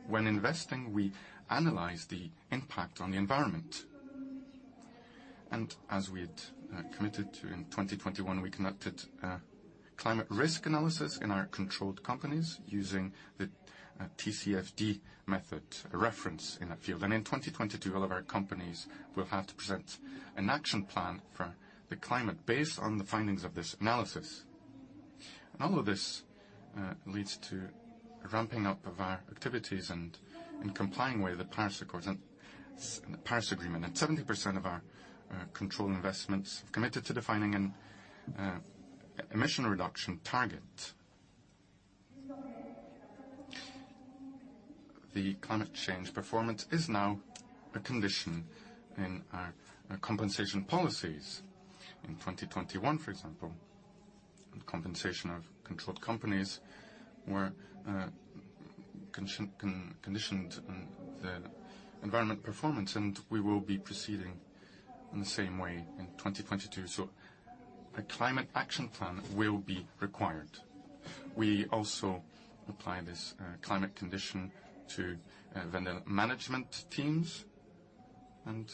[SPEAKER 5] When investing, we analyze the impact on the environment. As we had committed to in 2021, we conducted a climate risk analysis in our controlled companies using the TCFD method reference in that field. In 2022, all of our companies will have to present an action plan for the climate based on the findings of this analysis. All of this leads to ramping up of our activities and complying with the Paris Agreement. 70% of our controlled investments have committed to defining an emission reduction target. The climate change performance is now a condition in our compensation policies. In 2021, for example, compensation of controlled companies were conditioned on the environmental performance, and we will be proceeding in the same way in 2022. A climate action plan will be required. We also apply this climate condition to Wendel management teams and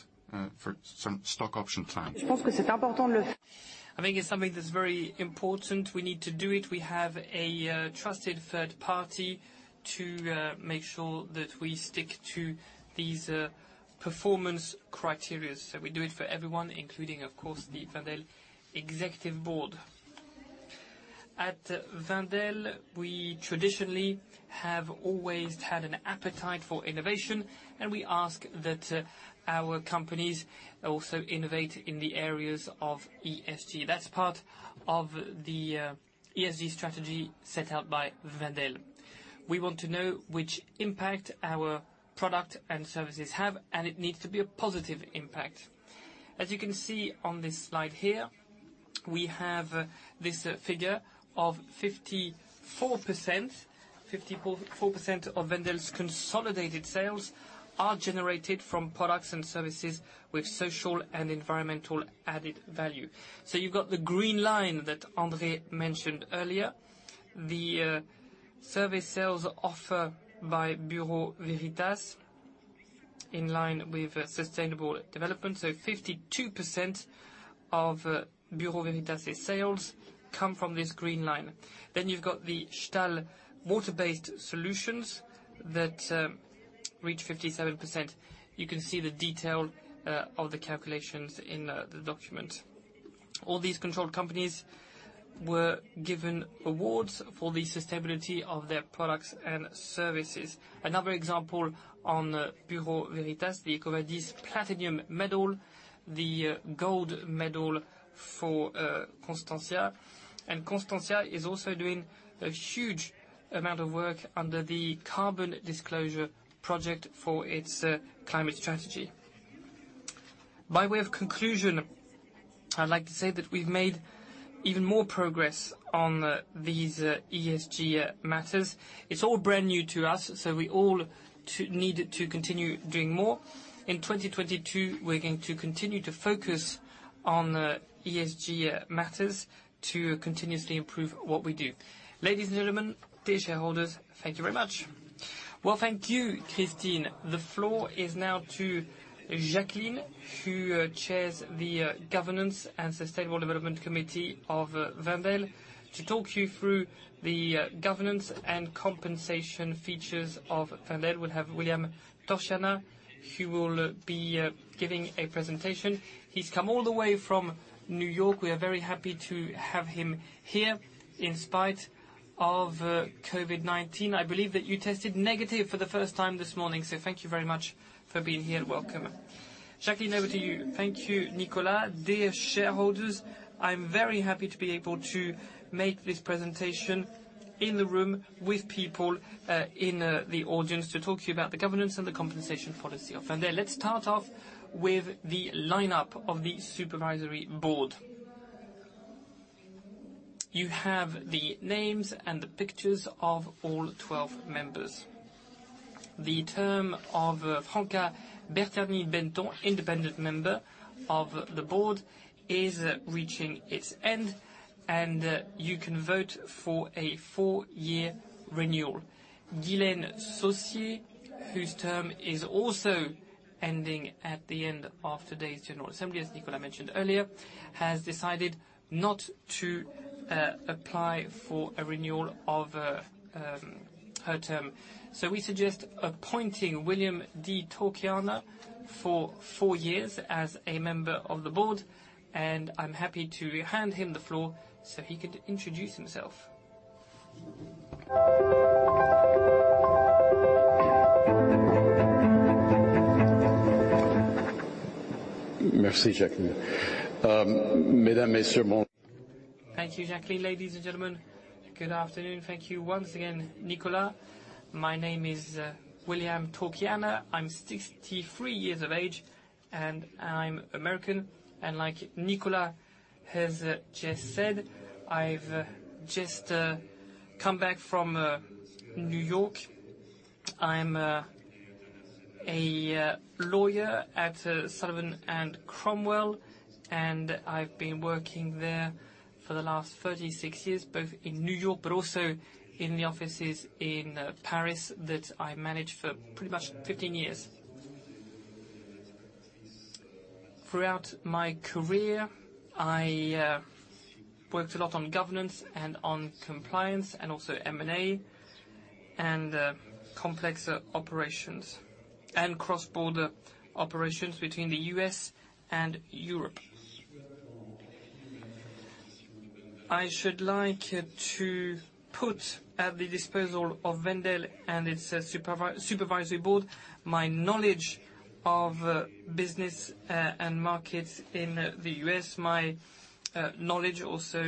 [SPEAKER 5] for some stock option plan. I think it's something that's very important. We need to do it. We have a trusted third party to make sure that we stick to these performance criteria. We do it for everyone, including, of course, the Wendel executive board. At Wendel, we traditionally have always had an appetite for innovation, and we ask that our companies also innovate in the areas of ESG. That's part of the ESG strategy set out by Wendel. We want to know which impact our products and services have, and it needs to be a positive impact. As you can see on this slide here, we have this figure of 54%. 54% of Wendel's consolidated sales are generated from products and services with social and environmental added value. You've got the Green Line that André mentioned earlier. The service sales offered by Bureau Veritas in line with sustainable development. 52% of Bureau Veritas' sales come from this Green Line. You've got the Stahl water-based solutions that reach 57%. You can see the detail of the calculations in the document. All these controlled companies were given awards for the sustainability of their products and services. Another example on Bureau Veritas, the EcoVadis Platinum medal, the gold medal for Constantia, and Constantia is also doing a huge amount of work under the Carbon Disclosure Project for its climate strategy. By way of conclusion, I'd like to say that we've made even more progress on these ESG matters. It's all brand new to us, so we all need to continue doing more. In 2022, we're going to continue to focus on ESG matters to continuously improve what we do. Ladies and gentlemen, dear shareholders, thank you very much.
[SPEAKER 1] Well, thank you, Christine. The floor is now to Jacqueline, who chairs the Governance and Sustainability Committee of Wendel. To talk you through the governance and compensation features of Wendel, we'll have William Torchiana, who will be giving a presentation. He's come all the way from New York. We are very happy to have him here in spite of COVID-19. I believe that you tested negative for the first time this morning, so thank you very much for being here. Welcome. Jacqueline, over to you.
[SPEAKER 6] Thank you, Nicolas. Dear shareholders, I'm very happy to be able to make this presentation in the room with people in the audience to talk to you about the governance and the compensation policy of Wendel. Let's start off with the lineup of the supervisory board. You have the names and the pictures of all 12 members. The term of Franca Bertagnin Benetton, independent member of the board, is reaching its end. You can vote for a four year renewal. Guylaine Saucier, whose term is also ending at the end of today's general assembly, as Nicolas mentioned earlier, has decided not to apply for a renewal of her term. We suggest appointing William D. Torchiana for 4 years as a member of the board, and I'm happy to hand him the floor so he could introduce himself.
[SPEAKER 7] Merci, Jacqueline. Thank you, Jacqueline. Ladies and gentlemen, good afternoon. Thank you once again, Nicolas. My name is William Torchiana. I'm 63 years of age, and I'm American. Like Nicolas has just said, I've just come back from New York. I'm a lawyer at Sullivan & Cromwell, and I've been working there for the last 36 years, both in New York but also in the offices in Paris that I managed for pretty much 15 years. Throughout my career, I worked a lot on governance and on compliance and also M&A and complex operations and cross-border operations between the U.S. and Europe. I should like to put at the disposal of Wendel and its supervisory board my knowledge of business and markets in the U.S., my knowledge also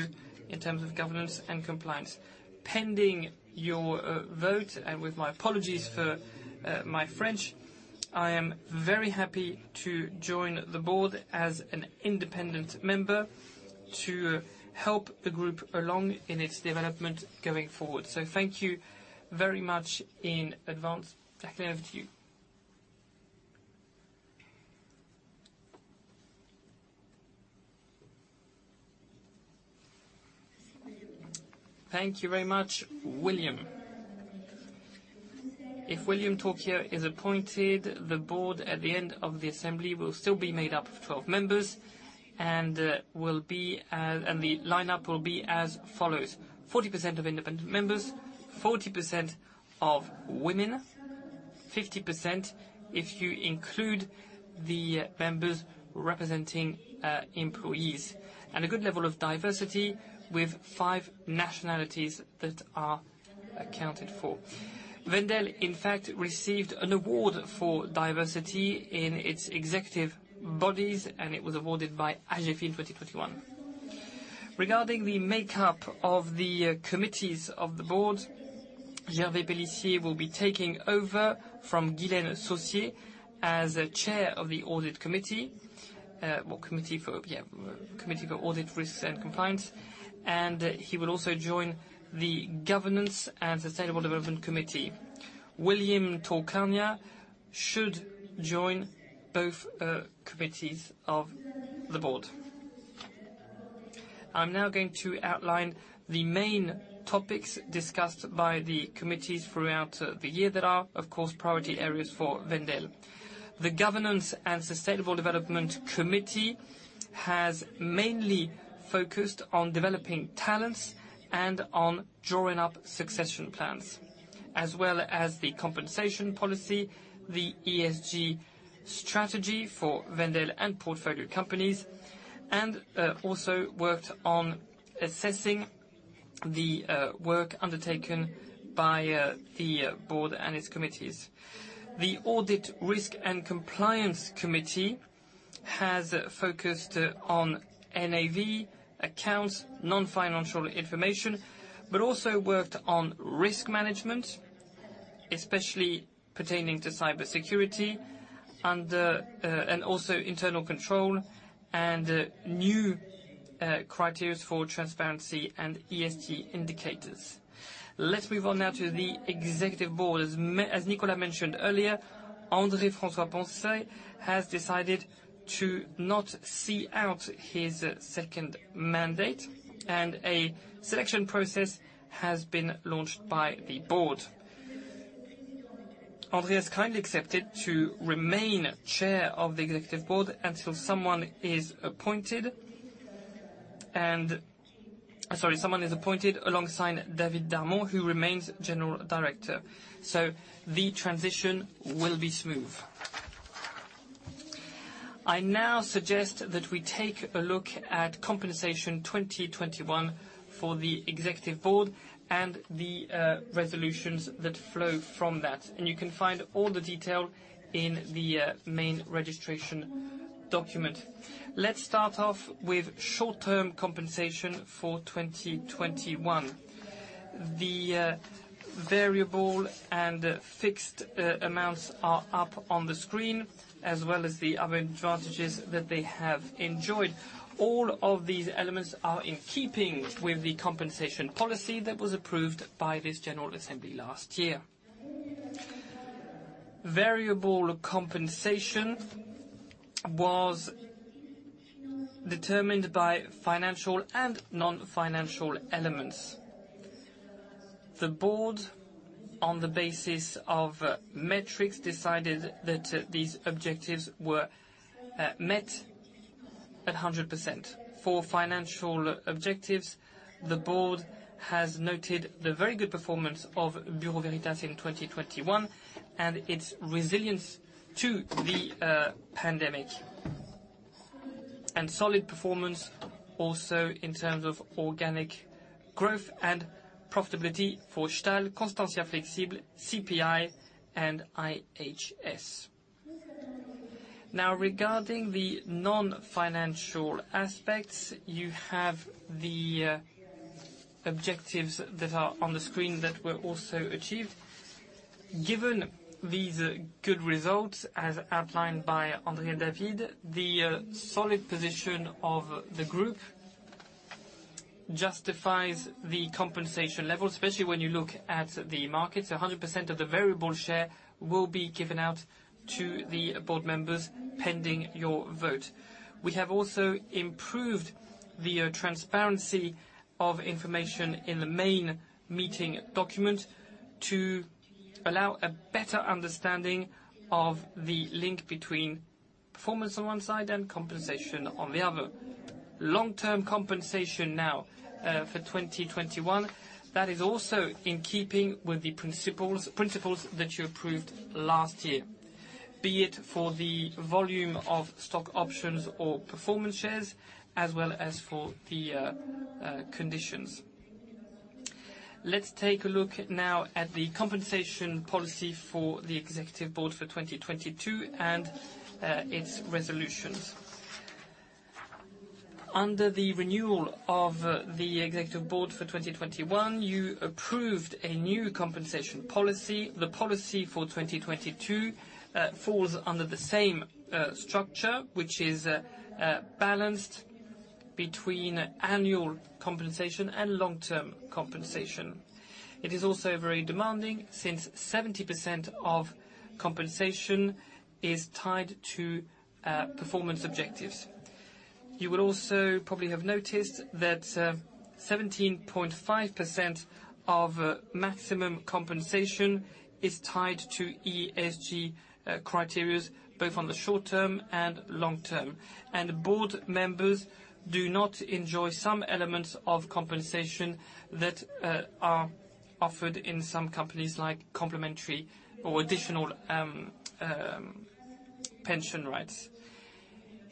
[SPEAKER 7] in terms of governance and compliance. Pending your vote, and with my apologies for my French, I am very happy to join the board as an independent member to help the group along in its development going forward. Thank you very much in advance. Jacqueline, over to you.
[SPEAKER 6] Thank you very much, William. If William Torchiana is appointed, the board at the end of the assembly will still be made up of 12 members and the lineup will be as follows: 40% of independent members, 40% of women, 50% if you include the members representing employees, and a good level of diversity with 5 nationalities that are accounted for. Wendel, in fact, received an award for diversity in its executive bodies, and it was awarded by L'Agefi in 2021. Regarding the makeup of the committees of the board, Gervais Pellissier will be taking over from Guylaine Saucier as Chair of the Audit, Risk and Compliance Committee. He will also join the Governance and Sustainability Committee. William Torchiana should join both committees of the board. I'm now going to outline the main topics discussed by the committees throughout the year that are, of course, priority areas for Wendel. The Governance and Sustainability Committee has mainly focused on developing talents and on drawing up succession plans, as well as the compensation policy, the ESG strategy for Wendel and portfolio companies, and also worked on assessing the work undertaken by the board and its committees. The Audit, Risk and Compliance Committee has focused on NAV, accounts, non-financial information, but also worked on risk management, especially pertaining to cybersecurity and internal control and new criteria for transparency and ESG indicators. Let's move on now to the executive board. As Nicolas mentioned earlier, André François-Poncet has decided to not see out his second mandate, and a selection process has been launched by the board. André has kindly accepted to remain Chair of the Executive Board until someone is appointed alongside David Darmon, who remains General Director. The transition will be smooth. I now suggest that we take a look at compensation 2021 for the executive board and the resolutions that flow from that. You can find all the detail in the main registration document. Let's start off with short-term compensation for 2021. The variable and fixed amounts are up on the screen, as well as the other advantages that they have enjoyed. All of these elements are in keeping with the compensation policy that was approved by this general assembly last year. Variable compensation was determined by financial and non-financial elements. The board, on the basis of metrics, decided that these objectives were met at 100%. For financial objectives, the board has noted the very good performance of Bureau Veritas in 2021, and its resilience to the pandemic. Solid performance also in terms of organic growth and profitability for Stahl, Constantia Flexibles, CPI, and IHS. Now, regarding the non-financial aspects, you have the objectives that are on the screen that were also achieved. Given these good results, as outlined by David Darmon, the solid position of the group justifies the compensation level, especially when you look at the markets. 100% of the variable share will be given out to the board members pending your vote. We have also improved the transparency of information in the main meeting document to allow a better understanding of the link between performance on one side and compensation on the other. Long-term compensation now for 2021. That is also in keeping with the principles that you approved last year, be it for the volume of stock options or performance shares, as well as for the conditions. Let's take a look now at the compensation policy for the executive board for 2022 and its resolutions. Under the renewal of the Executive Board for 2021, you approved a new compensation policy. The policy for 2022 falls under the same structure, which is balanced between annual compensation and long-term compensation. It is also very demanding since 70% of compensation is tied to performance objectives. You will also probably have noticed that 17.5% of maximum compensation is tied to ESG criteria, both on the short term and long term. Board members do not enjoy some elements of compensation that are offered in some companies, like complementary or additional pension rights.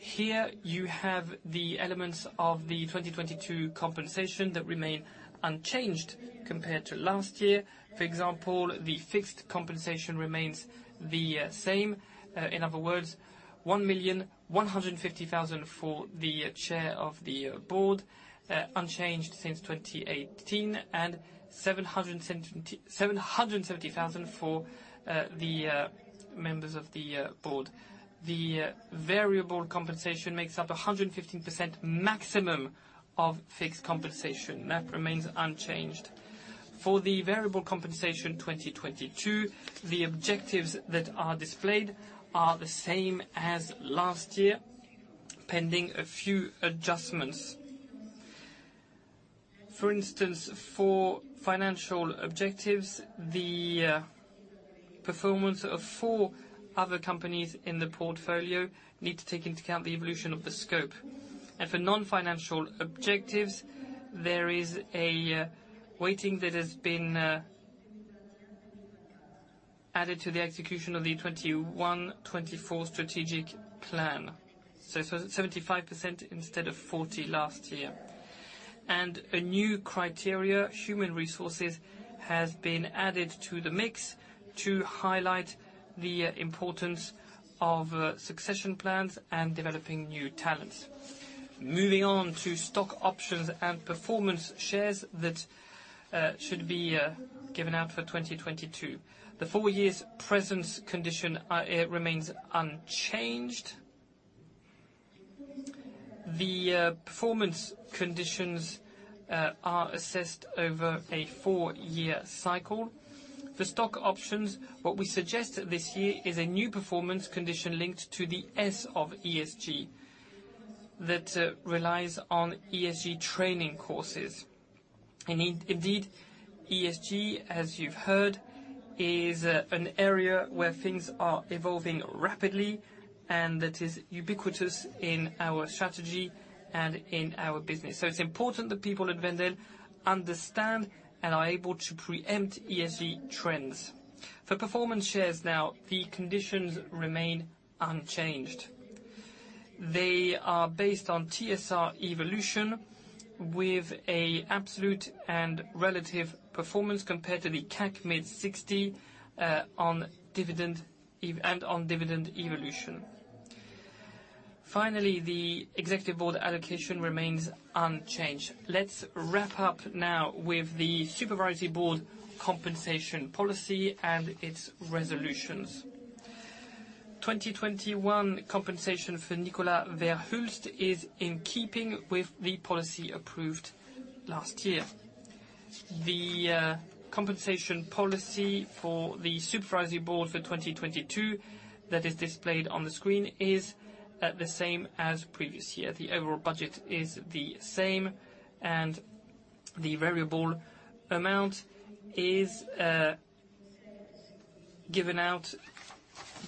[SPEAKER 6] Here you have the elements of the 2022 compensation that remain unchanged compared to last year. For example, the fixed compensation remains the same. In other words, 1.15 million for the Chair of the Board, unchanged since 2018, and 770 thousand for the members of the Board. The variable compensation makes up a 115% maximum of fixed compensation. That remains unchanged. For the variable compensation in 2022, the objectives that are displayed are the same as last year, pending a few adjustments. For instance, for financial objectives, the performance of four other companies in the portfolio need to take into account the evolution of the scope. For non-financial objectives, there is a weighting that has been added to the execution of the 2021-2024 strategic plan. It was 75% instead of 40% last year. A new criterion, human resources, has been added to the mix to highlight the importance of succession plans and developing new talents. Moving on to stock options and performance shares that should be given out for 2022. The four year presence condition remains unchanged. The performance conditions are assessed over a four year cycle. For stock options, what we suggest this year is a new performance condition linked to the S of ESG that relies on ESG training courses. Indeed, ESG, as you've heard, is an area where things are evolving rapidly and that is ubiquitous in our strategy and in our business. So it's important that people at Wendel understand and are able to preempt ESG trends. For performance shares now, the conditions remain unchanged. They are based on TSR evolution with an absolute and relative performance compared to the CAC Mid 60, on dividend and on dividend evolution. Finally, the executive board allocation remains unchanged. Let's wrap up now with the Supervisory Board compensation policy and its resolutions. 2021 compensation for Nicolas Ver Hulst is in keeping with the policy approved last year. The compensation policy for the Supervisory Board for 2022 that is displayed on the screen is the same as previous year. The overall budget is the same, and the variable amount is given out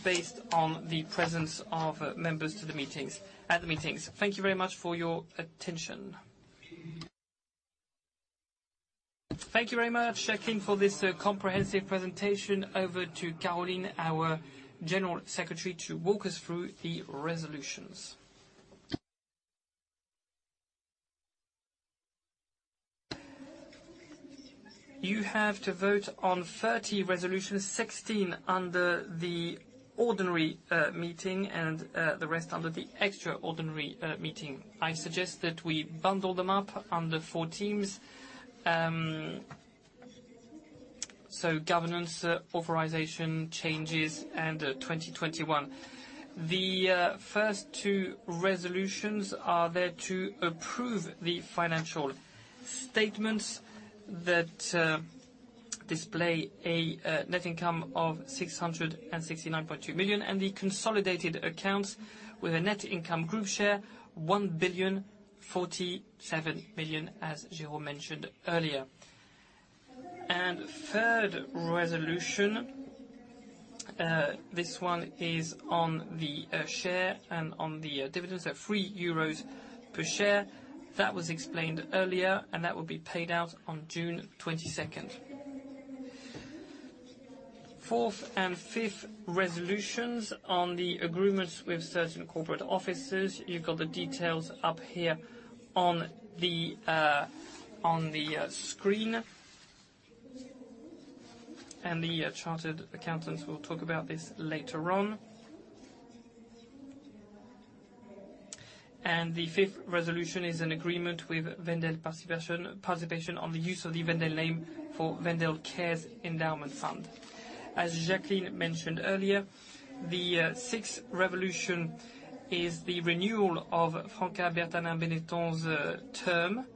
[SPEAKER 6] based on the presence of members at the meetings. Thank you very much for your attention.
[SPEAKER 1] Thank you very much, Jacqueline, for this comprehensive presentation. Over to Caroline, our General Counsel, to walk us through the resolutions.
[SPEAKER 8] You have to vote on 30 resolutions, 16 under the ordinary meeting, and the rest under the extraordinary meeting. I suggest that we bundle them up under four themes. Governance, authorization, changes, and 2021. The first two resolutions are there to approve the financial statements that display a net income of 669.2 million, and the consolidated accounts with a net income group share 1,047 million, as Jérôme mentioned earlier. Third resolution, this one is on the share and on the dividends at 3 euros per share. That was explained earlier, and that will be paid out on June 22. Fourth and fifth resolutions on the agreements with certain corporate officers. You've got the details up here on the screen. The chartered accountants will talk about this later on. The fifth resolution is an agreement with Wendel-Participations on the use of the Wendel name for Wendel Cares Endowment Fund. As Jacqueline mentioned earlier, the sixth resolution is the renewal of Franca Bertagnin Benetton's term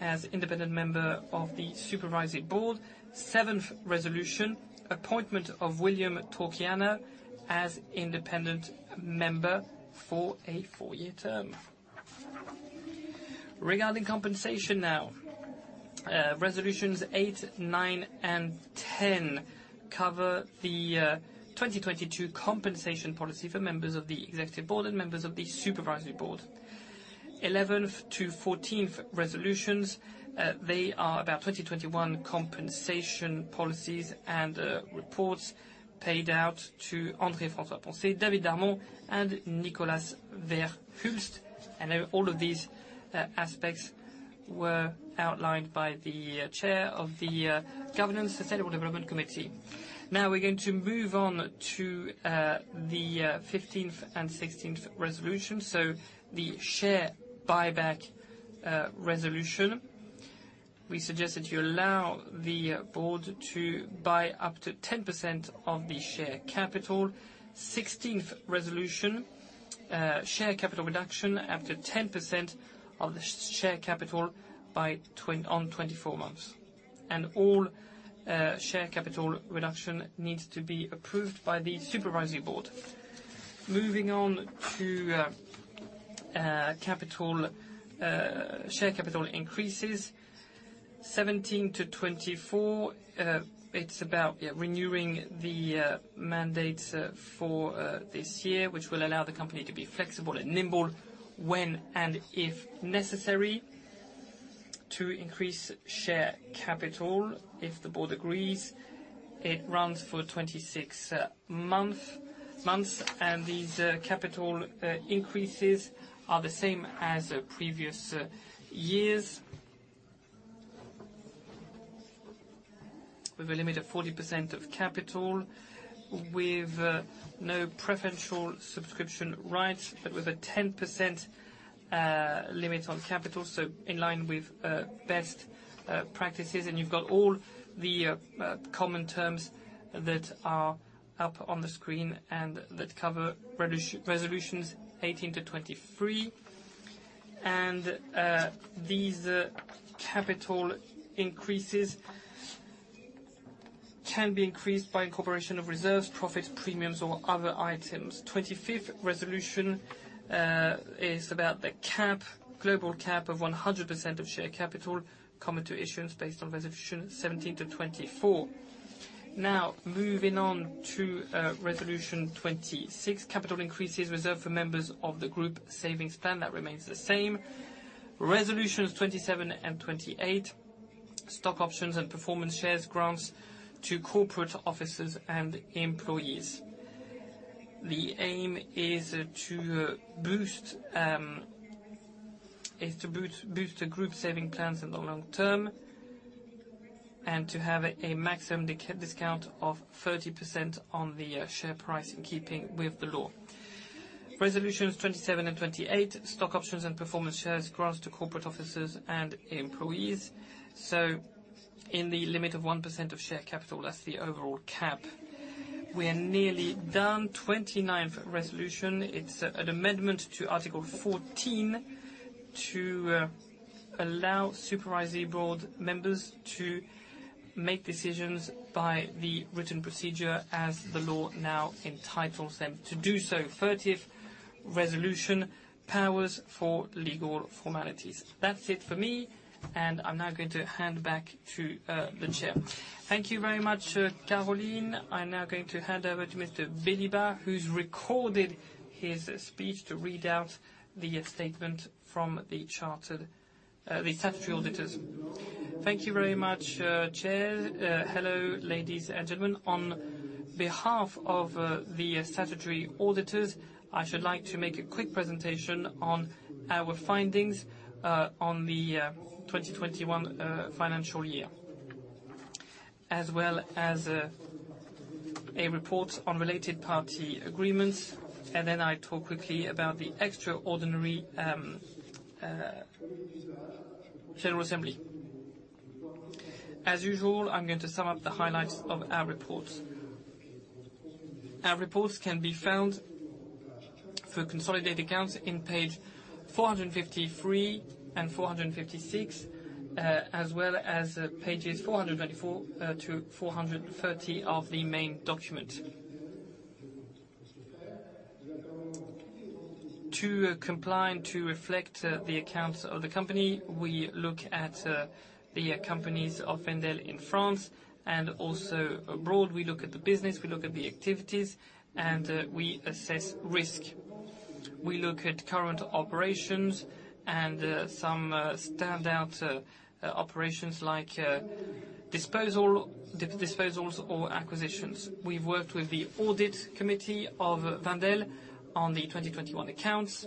[SPEAKER 8] as independent member of the Supervisory Board. Seventh resolution, appointment of William D. Torchiana as independent member for a four-year term. Regarding compensation now. Resolutions eight, nine, and ten cover the 2022 compensation policy for members of the executive board and members of the supervisory board. Eleventh to fourteenth resolutions, they are about 2021 compensation policies and reports paid out to André François-Poncet, David Darmon, and Nicolas ver Hulst. All of these aspects were outlined by the chair of the Governance and Sustainability Committee. Now we're going to move on to the 15th and 16th resolution, so the share buyback resolution. We suggest that you allow the board to buy up to 10% of the share capital. 16th resolution, share capital reduction up to 10% of the share capital on 24 months. All share capital reduction needs to be approved by the Supervisory Board. Moving on to capital share capital increases. 17-24, it's about renewing the mandates for this year, which will allow the company to be flexible and nimble when and if necessary to increase share capital. If the board agrees, it runs for 26 months, and these capital increases are the same as previous years. With a limit of 40% of capital, with no preferential subscription rights, but with a 10% limit on capital, so in line with best practices. You've got all the common terms that are up on the screen and that cover those resolutions 18-23. These capital increases can be increased by incorporation of reserves, profits, premiums, or other items. 25th resolution is about the cap, global cap of 100% of share capital coming to issuance based on resolution 17-24. Now, moving on to resolution 26, capital increases reserved for members of the group savings plan. That remains the same. Resolutions 27 and 28, stock options and performance shares, grants to corporate officers and employees. The aim is to boost the group savings plans in the long term, and to have a maximum discount of 30% on the share price in keeping with the law. Resolutions 27 and 28, stock options and performance shares grants to corporate officers and employees. In the limit of 1% of share capital, that's the overall cap. We're nearly done. 29th resolution, it's an amendment to Article 14 to allow supervisory board members to make decisions by the written procedure as the law now entitles them to do so. 30th resolution, powers for legal formalities. That's it for me, and I'm now going to hand back to the chair.
[SPEAKER 1] Thank you very much, Caroline. I'm now going to hand over to Mr. Belhiba, who's recorded his speech to read out the statement from the statutory auditors.
[SPEAKER 9] Thank you very much, Chair. Hello, ladies and gentlemen. On behalf of the statutory auditors, I should like to make a quick presentation on our findings on the 2021 financial year, as well as a report on related party agreements. Then I talk quickly about the extraordinary general assembly. As usual, I'm going to sum up the highlights of our reports. Our reports can be found for consolidated accounts in page 453 and 456, as well as pages 444-430 of the main document. To comply and to reflect the accounts of the company, we look at the companies of Wendel in France and also abroad. We look at the business, we look at the activities, and we assess risk. We look at current operations and some standout operations like disposals or acquisitions. We've worked with the Audit Committee of Wendel on the 2021 accounts.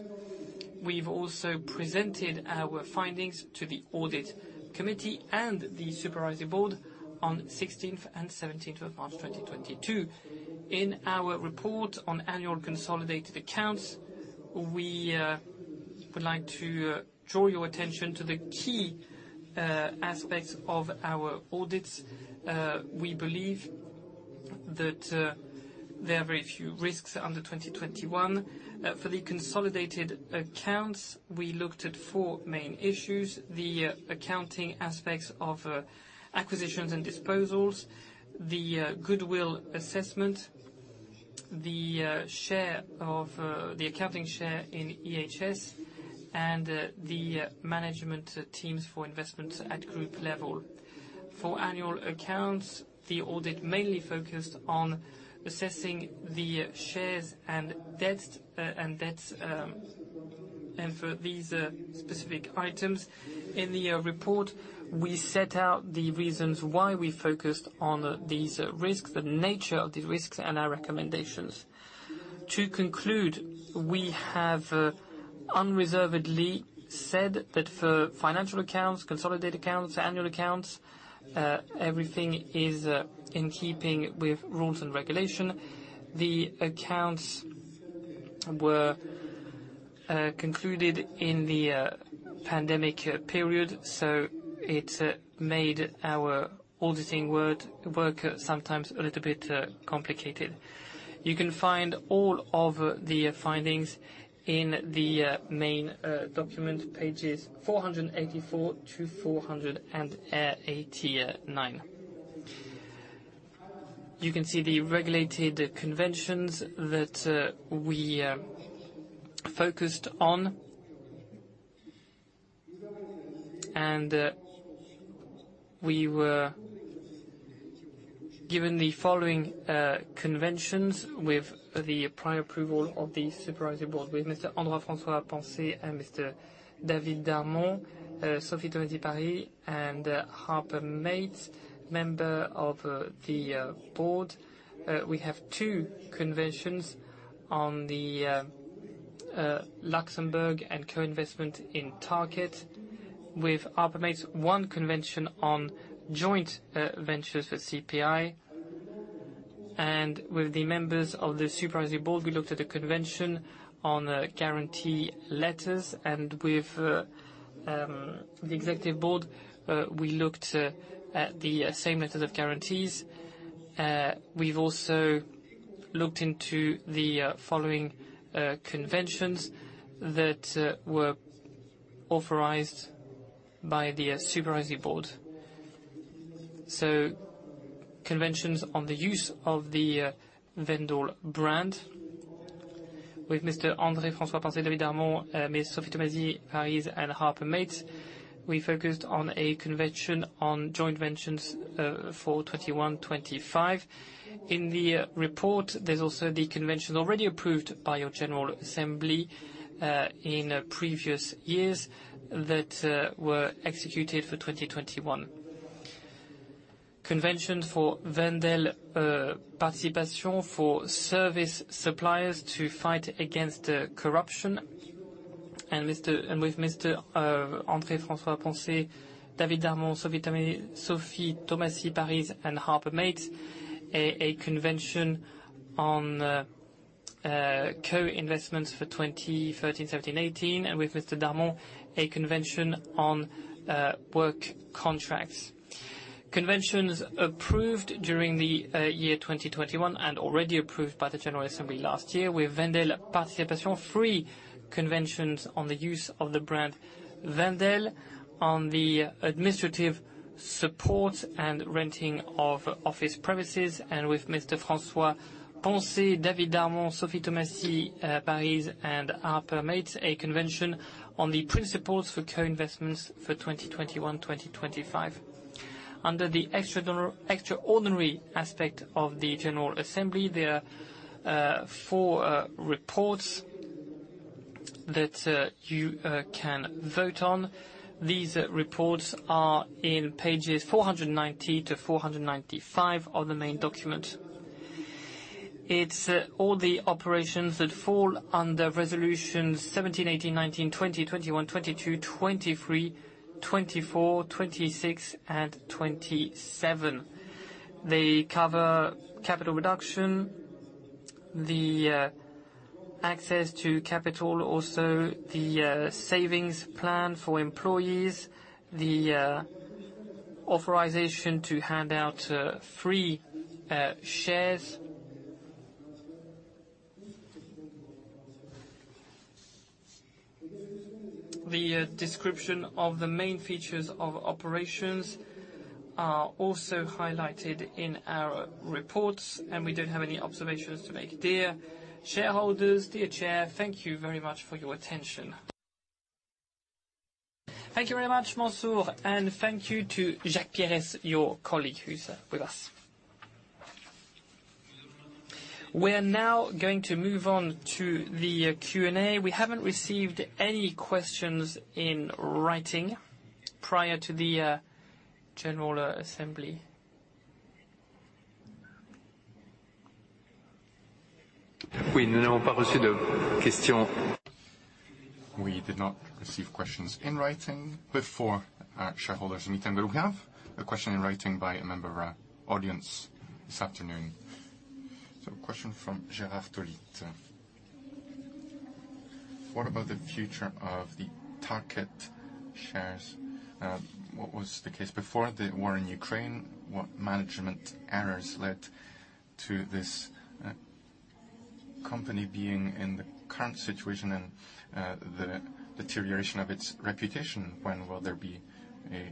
[SPEAKER 9] We've also presented our findings to the Audit Committee and the Supervisory Board on the 16th and 17th of March 2022. In our report on annual consolidated accounts, we would like to draw your attention to the key aspects of our audits. We believe that there are very few risks under 2021. For the consolidated accounts, we looked at four main issues, the accounting aspects of acquisitions and disposals, the goodwill assessment, the share of the accounting share in IHS and the management teams for investments at group level. For annual accounts, the audit mainly focused on assessing the shares and debts and for these specific items. In the report, we set out the reasons why we focused on these risks, the nature of the risks, and our recommendations. To conclude, we have unreservedly said that for financial accounts, consolidated accounts, annual accounts, everything is in keeping with rules and regulation. The accounts were concluded in the pandemic period, so it made our auditing work sometimes a little bit complicated. You can find all of the findings in the main document, pages 484-489. You can see the regulated conventions that we focused on. We were given the following conventions with the prior approval of the Supervisory Board with Mr. André François-Poncet and Mr. David Darmon, Sophie Tomasi Parise and Harper Mates, member of the board. We have two conventions on the Luxembourg and co-investment in Tarkett. With Harper Mates, one convention on joint ventures for CPI. With the members of the supervisory board, we looked at a convention on guarantee letters. With the executive board, we looked at the same method of guarantees. We've also looked into the following conventions that were authorized by the supervisory board. Conventions on the use of the Wendel brand with Mr. André François-Poncet, David Darmon, Ms. Sophie Tomasi Parise, and Harper Mates. We focused on a convention on joint ventures for 2021-2025. In the report, there's also the convention already approved by your general assembly in previous years that were executed for 2021. Convention for Wendel-Participations for service suppliers to fight against corruption. With Mr. André François-Poncet, David Darmon, Sophie Tomasi Parise, and Harper Mates, a convention on co-investments for 2013, 2017, 2018, and with Mr. Darmon, a convention on work contracts. Conventions approved during the year 2021 and already approved by the general assembly last year with Wendel-Participations, three conventions on the use of the brand Wendel on the administrative support and renting of office premises. With Mr. François-Poncet, David Darmon, Sophie Tomasi Parise, and Harper Mates, a convention on the principles for co-investments for 2021, 2025. Under the extraordinary aspect of the general assembly, there are four reports that you can vote on. These reports are in pages 490-495 of the main document. It's all the operations that fall under resolutions 17, 18, 19, 20, 21, 22, 23, 24, 26, and 27. They cover capital reduction, the access to capital, also the savings plan for employees, the authorization to hand out free shares. The description of the main features of operations are also highlighted in our reports, and we don't have any observations to make. Dear shareholders, dear Chair, thank you very much for your attention.
[SPEAKER 1] Thank you very much, Mansour, and thank you to Jacques Pierres, your colleague who's with us. We are now going to move on to the Q&A. We haven't received any questions in writing prior to the general assembly. We did not receive questions in writing before our shareholders meeting, but we have a question in writing by a member of our audience this afternoon. Question from Gérard Tolita. What about the future of the Tarkett shares? What was the case before the war in Ukraine? What management errors led to this company being in the current situation and the deterioration of its reputation? When will there be a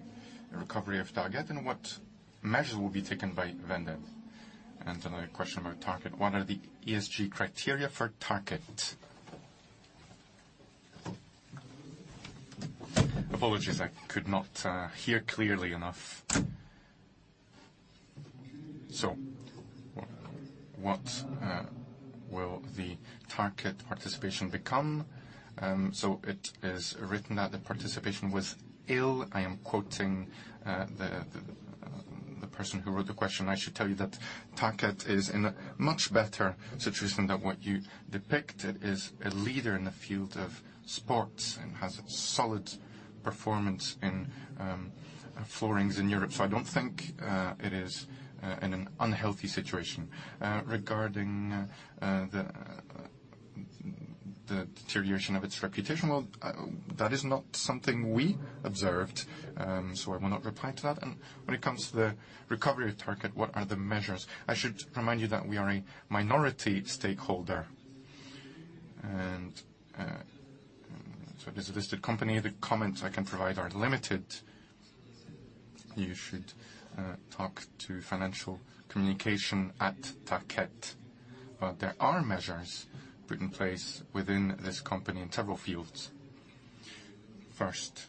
[SPEAKER 1] recovery of Tarkett, and what measures will be taken by Wendel? Another question about Tarkett: What are the ESG criteria for Tarkett?
[SPEAKER 2] Apologies, I could not hear clearly enough.
[SPEAKER 1] What will the Tarkett participation become?
[SPEAKER 2] It is written that the participation was illiquid. I am quoting the person who wrote the question. I should tell you that Tarkett is in a much better situation than what you depicted, is a leader in the field of sports and has a solid performance in flooring in Europe. I don't think it is in an unhealthy situation. Regarding the deterioration of its reputation, that is not something we observed, so I will not reply to that.
[SPEAKER 1] When it comes to the recovery of Tarkett, what are the measures?
[SPEAKER 2] I should remind you that we are a minority stakeholder, and so as a listed company, the comments I can provide are limited. You should talk to financial communication at Tarkett. There are measures put in place within this company in several fields. First,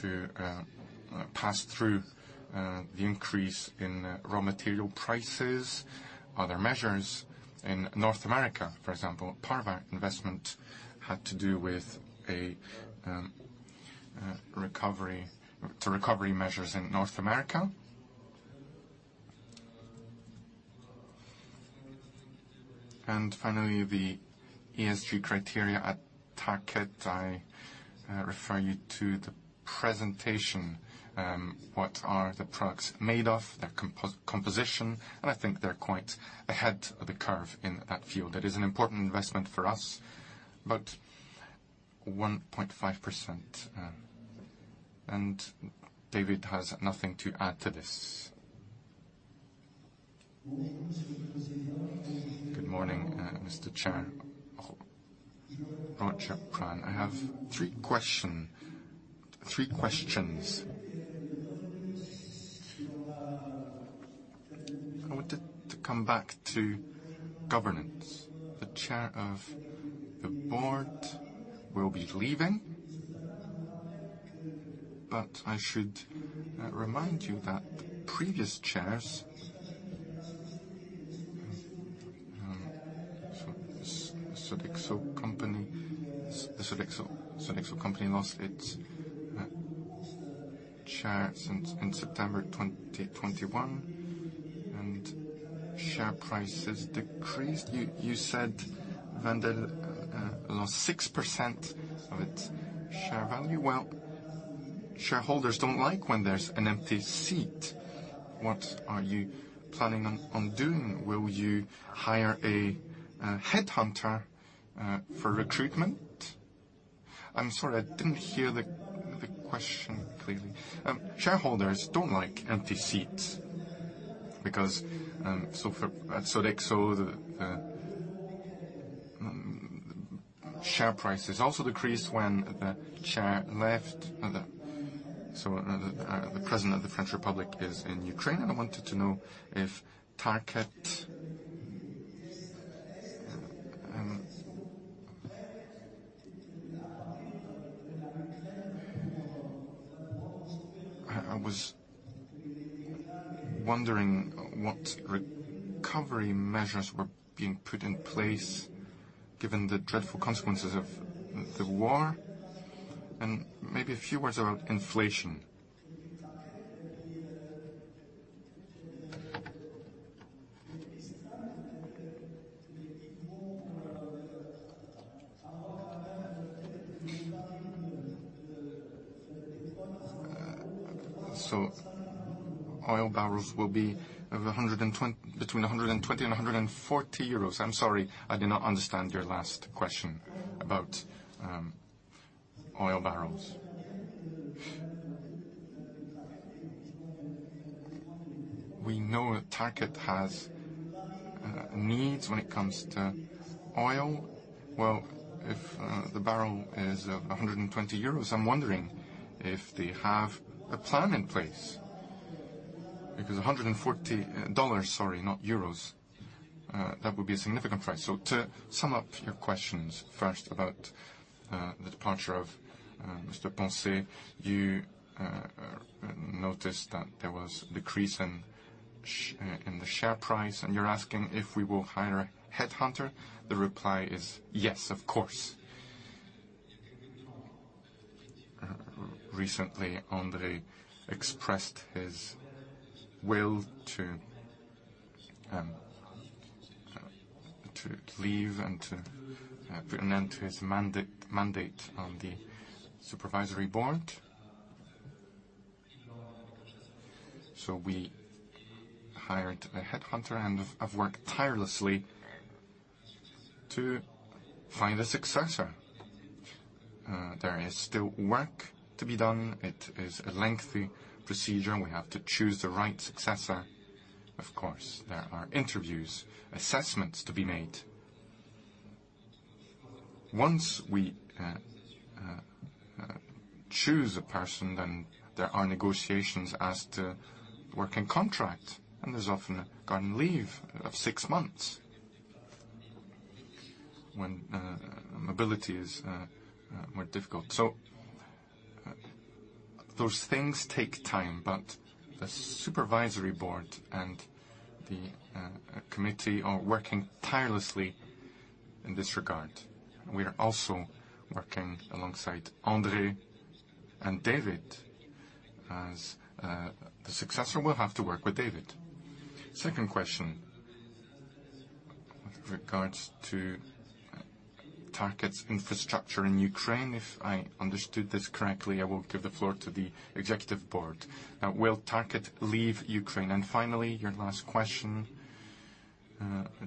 [SPEAKER 2] to pass through the increase in raw material prices. Other measures in North America, for example, part of our investment had to do with recovery measures in North America. Finally, the ESG criteria at Tarkett. I refer you to the presentation. What are the products made of, their composition, and I think they're quite ahead of the curve in that field. That is an important investment for us, but 1.5%. David has nothing to add to this.
[SPEAKER 10] Good morning, Mr. Chair. Roger Kran. I have three questions. I wanted to come back to governance. The chair of the board will be leaving, but I should remind you that the previous chairs, Sodexo Company lost its Chair since in September 2021, and share prices decreased. You said Wendel lost 6% of its share value. Well, shareholders don't like when there's an empty seat. What are you planning on doing? Will you hire a headhunter for recruitment?
[SPEAKER 1] I'm sorry. I didn't hear the question clearly.
[SPEAKER 10] Shareholders don't like empty seats because, for at Sodexo, the share prices also decreased when the chair left. Now the president of the French Republic is in Ukraine. I wanted to know if Tarkett I was wondering what recovery measures were being put in place given the dreadful consequences of the war, and maybe a few words about inflation. Oil barrels will be at 120 between 120 and 140 euros.
[SPEAKER 1] I'm sorry, I did not understand your last question about oil barrels.
[SPEAKER 10] We know that Tarkett has needs when it comes to oil. Well, if the barrel is 120 euros, I'm wondering if they have a plan in place because $140, sorry, not euros, that would be a significant price.
[SPEAKER 1] To sum up your questions, first about the departure of Mr. François-Poncet. You noticed that there was a decrease in the share price, and you're asking if we will hire a headhunter. The reply is yes, of course. Recently, André expressed his will to leave and to put an end to his mandate on the supervisory board. We hired a headhunter, and I've worked tirelessly to find a successor. There is still work to be done. It is a lengthy procedure, and we have to choose the right successor. Of course, there are interviews, assessments to be made. Once we choose a person, then there are negotiations as to working contract, and there's often a garden leave of six months when mobility is more difficult. Those things take time, but the supervisory board and the committee are working tirelessly in this regard. We are also working alongside André and David as the successor will have to work with David. Second question, with regards to Tarkett's infrastructure in Ukraine, if I understood this correctly, I will give the floor to the executive board. Now, will Tarkett leave Ukraine? Finally, your last question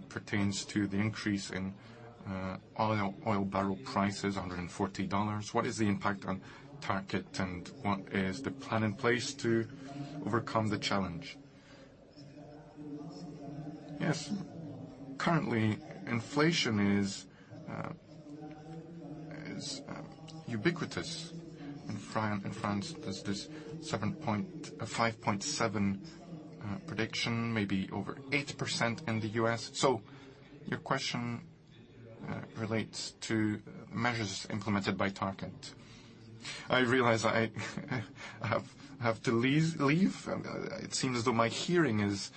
[SPEAKER 1] pertains to the increase in oil barrel prices, $140. What is the impact on Tarkett, and what is the plan in place to overcome the challenge? Yes. Currently, inflation is ubiquitous. In France, there's this 5.7% prediction, maybe over 8% in the US. Your question relates to measures implemented by Tarkett. I realize I have to leave. It seems as though my hearing is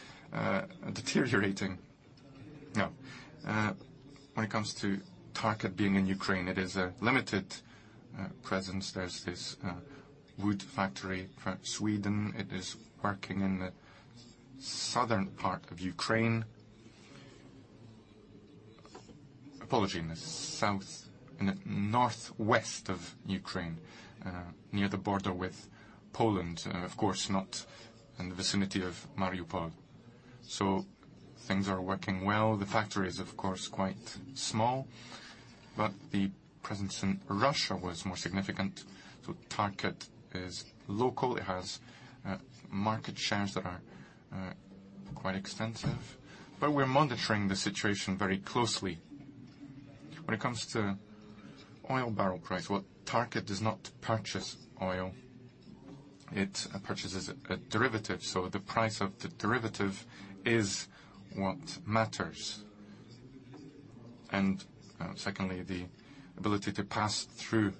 [SPEAKER 1] deteriorating. No. When it comes to Tarkett being in Ukraine, it is a limited presence. There's this wood factory for Sweden. It is working in the southern part of Ukraine. In the northwest of Ukraine, near the border with Poland. Of course, not in the vicinity of Mariupol. Things are working well. The factory is, of course, quite small, but the presence in Russia was more significant. Tarkett is local. It has market shares that are quite extensive, but we're monitoring the situation very closely. When it comes to oil barrel price, well, Tarkett does not purchase oil. It purchases a derivative. The price of the derivative is what matters. Secondly, the ability to pass through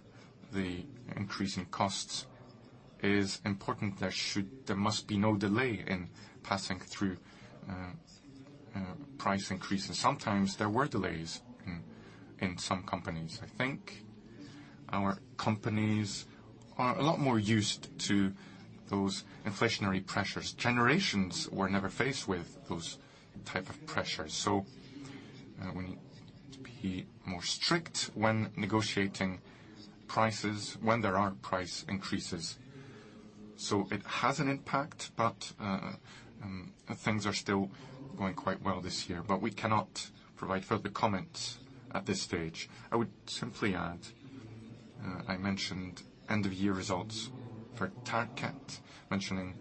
[SPEAKER 1] the increase in costs is important. There must be no delay in passing through price increases. Sometimes there were delays in some companies. I think our companies are a lot more used to those inflationary pressures. Generations were never faced with those type of pressures. We need to be more strict when negotiating prices, when there are price increases. It has an impact, but things are still going quite well this year, but we cannot provide further comments at this stage.
[SPEAKER 2] I would simply add, I mentioned end-of-year results for Tarkett, mentioning,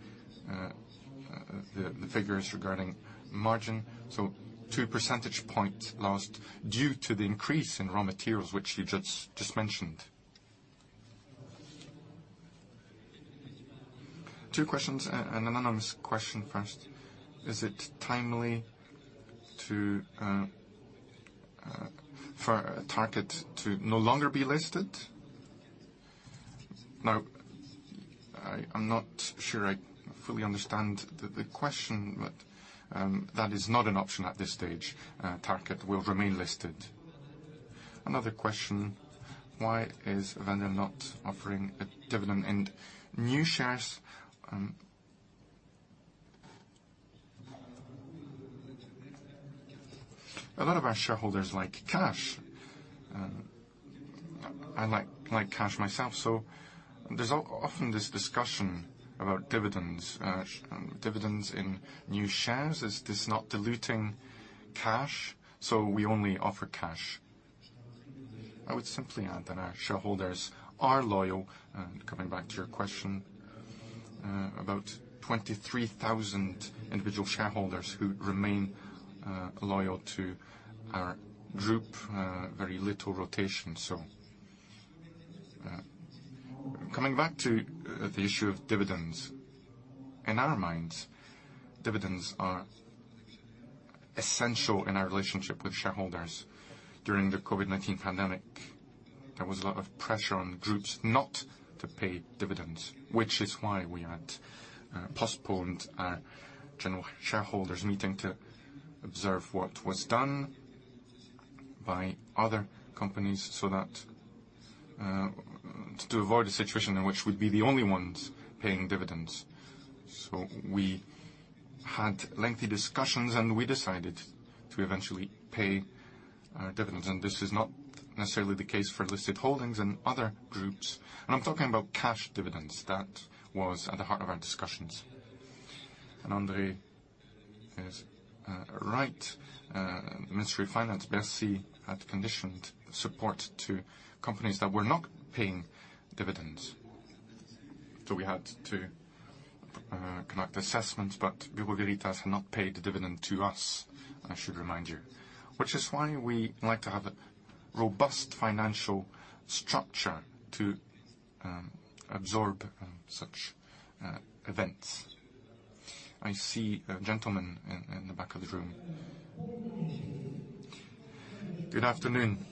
[SPEAKER 2] the figures regarding margin. Two percentage points lost due to the increase in raw materials, which you just mentioned.
[SPEAKER 1] Two questions, an anonymous question first: Is it timely for Tarkett to no longer be listed?
[SPEAKER 2] Now, I'm not sure I fully understand the question, but that is not an option at this stage. Tarkett will remain listed.
[SPEAKER 1] Another question: Why is Wendel not offering a dividend in new shares?
[SPEAKER 2] A lot of our shareholders like cash. I like cash myself, so there's often this discussion about dividends. Dividends in new shares, is this not diluting cash? We only offer cash. I would simply add that our shareholders are loyal. Coming back to your question, about 23,000 individual shareholders who remain loyal to our group, very little rotation. Coming back to the issue of dividends. In our minds, dividends are essential in our relationship with shareholders. During the COVID-19 pandemic, there was a lot of pressure on groups not to pay dividends, which is why we had postponed our general shareholders meeting to observe what was done by other companies, so that to avoid a situation in which we'd be the only ones paying dividends. We had lengthy discussions, and we decided to eventually pay our dividends. This is not necessarily the case for listed holdings in other groups. I'm talking about cash dividends. That was at the heart of our discussions.
[SPEAKER 3] André is right. Ministry of Finance, Bercy, had conditioned support to companies that were not paying dividends. We had to conduct assessments, but Bureau Veritas have not paid a dividend to us, I should remind you. Which is why we like to have a robust financial structure to absorb such events.
[SPEAKER 1] I see a gentleman in the back of the room.
[SPEAKER 11] Good afternoon.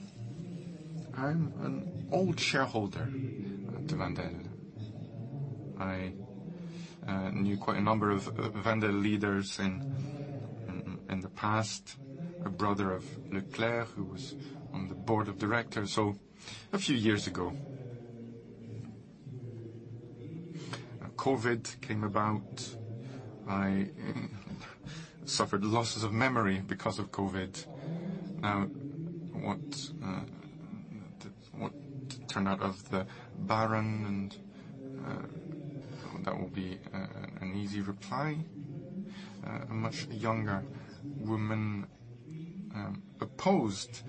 [SPEAKER 11] I'm an old shareholder at the Wendel. I knew quite a number of Wendel leaders in the past, a brother of Leclerc, who was on the board of directors. A few years ago, COVID came about. I suffered losses of memory because of COVID. Now, what turned out of the Baron and that will be an easy reply. A much younger woman opposed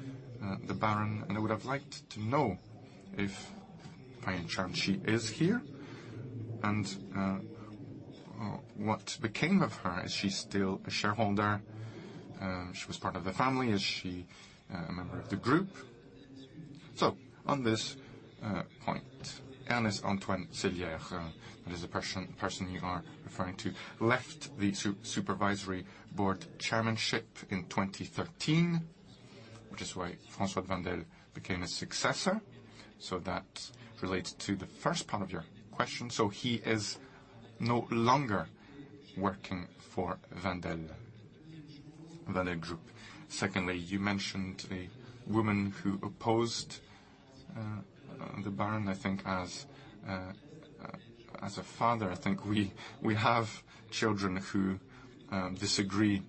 [SPEAKER 11] the Baron, and I would have liked to know if by any chance she is here, and what became of her. Is she still a shareholder? She was part of the family. Is she a member of the group?
[SPEAKER 2] On this point, Ernest-Antoine Seillière, that is the person you are referring to, left the supervisory board chairmanship in 2013, which is why François de Wendel became his successor. That relates to the first part of your question. He is no longer working for Wendel group. Secondly, you mentioned a woman who opposed the Baron. I think as a father, I think we have children who disagree.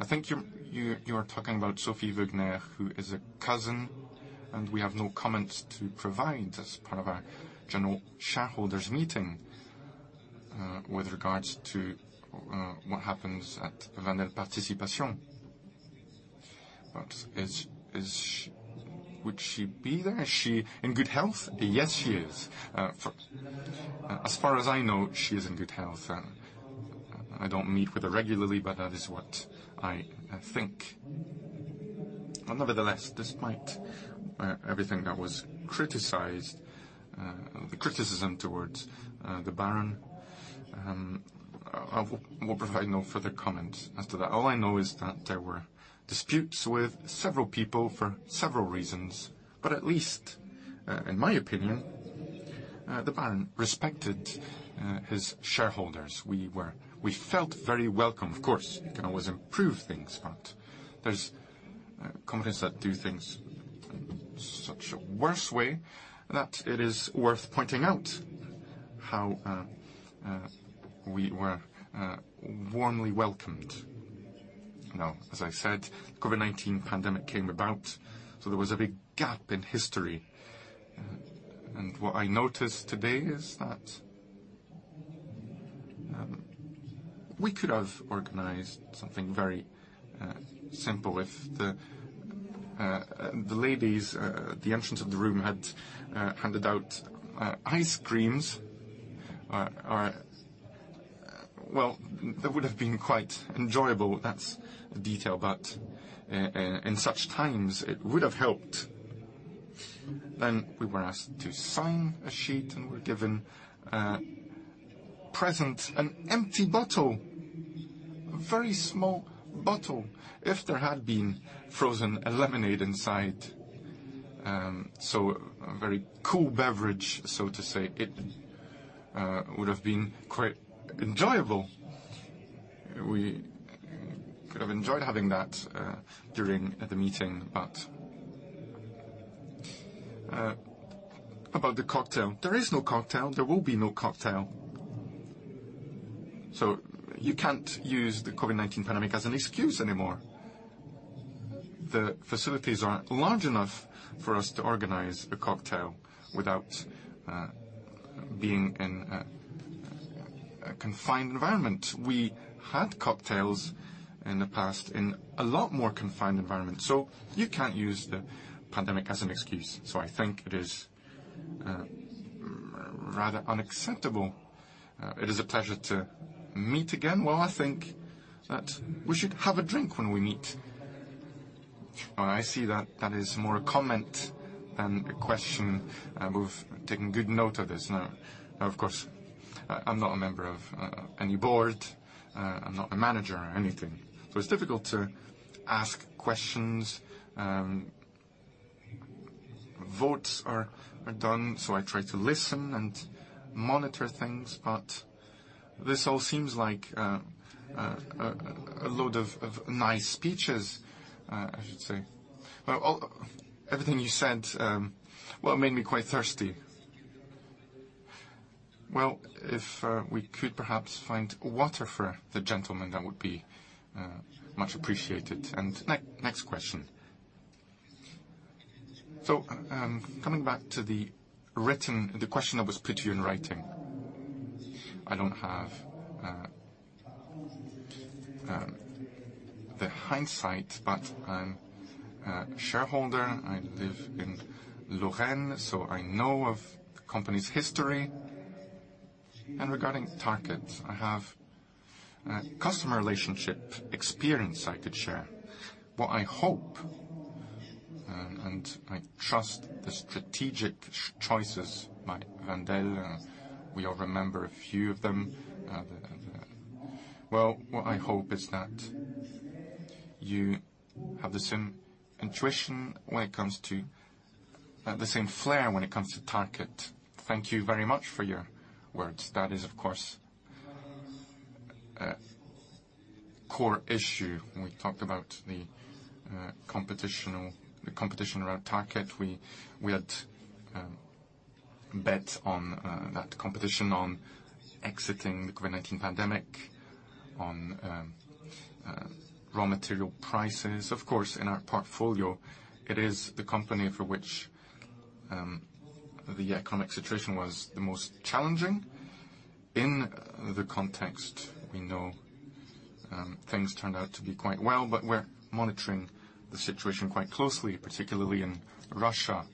[SPEAKER 2] I think you're talking about Sophie Boegner, who is a cousin, and we have no comments to provide as part of our general shareholders meeting, with regards to what happens at Wendel Participation.
[SPEAKER 11] Would she be there? Is she in good health?
[SPEAKER 2] Yes, she is. As far as I know, she is in good health. I don't meet with her regularly, but that is what I think. Nevertheless, despite everything that was criticized, the criticism towards the Baron, I will provide no further comment as to that. All I know is that there were disputes with several people for several reasons, but at least, in my opinion, the Baron respected his shareholders. We felt very welcome. Of course, you can always improve things, but there's companies that do things in such a worse way that it is worth pointing out how we were warmly welcomed. Now, as I said, COVID-19 pandemic came about, so there was a big gap in history. What I noticed today is that we could have organized something very simple. If the ladies at the entrance of the room had handed out ice creams. Well, that would have been quite enjoyable. That's a detail, but in such times, it would have helped. We were asked to sign a sheet, and we're given a present, an empty bottle, a very small bottle. If there had been frozen lemonade inside, so a very cool beverage, so to say, it would have been quite enjoyable. We could have enjoyed having that during the meeting. About the cocktail, there is no cocktail. There will be no cocktail. You can't use the COVID-19 pandemic as an excuse anymore. The facilities are large enough for us to organize a cocktail without being in a confined environment. We had cocktails in the past in a lot more confined environment, so you can't use the pandemic as an excuse. I think it is rather unacceptable.
[SPEAKER 11] It is a pleasure to meet again. Well, I think that we should have a drink when we meet.
[SPEAKER 3] Oh, I see that is more a comment than a question. We've taken good note of this. Now, of course, I'm not a member of any board. I'm not a manager or anything, so it's difficult to ask questions. Votes are done, so I try to listen and monitor things, but this all seems like a load of nice speeches, I should say. Well, everything you said, well, made me quite thirsty. Well, if we could perhaps find water for the gentleman, that would be much appreciated. Next question. Coming back to the question that was put to you in writing.
[SPEAKER 12] I don't have the hindsight, but I'm a shareholder. I live in Lorraine, so I know of the company's history. Regarding Tarkett, I have customer relationship experience I could share. What I hope and I trust the strategic choices by Wendel, and we all remember a few of them. Well, what I hope is that you have the same intuition when it comes to.
[SPEAKER 3] The same flair when it comes to Tarkett.
[SPEAKER 2] Thank you very much for your words. That is, of course, a core issue. We talked about the competition around Tarkett. We had bet on that competition on exiting the COVID-19 pandemic, on raw material prices. Of course, in our portfolio, it is the company for which the economic situation was the most challenging. In the context we know, things turned out to be quite well, but we're monitoring the situation quite closely, particularly in Russia,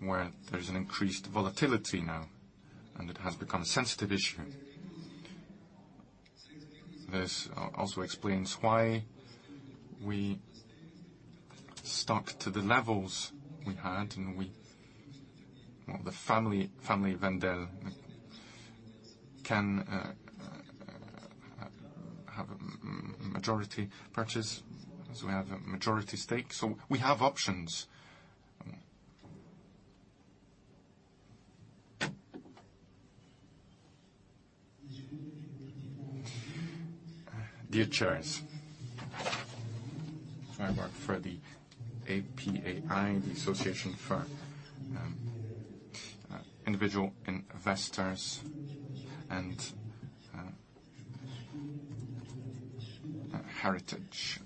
[SPEAKER 2] where there's an increased volatility now, and it has become a sensitive issue. This also explains why we stuck to the levels we had. Well, the family Wendel can have a majority purchase, as we have a majority stake, so we have options.
[SPEAKER 13] Dear chairs, I work for the AAII, the Association for Individual Investors and Heritage.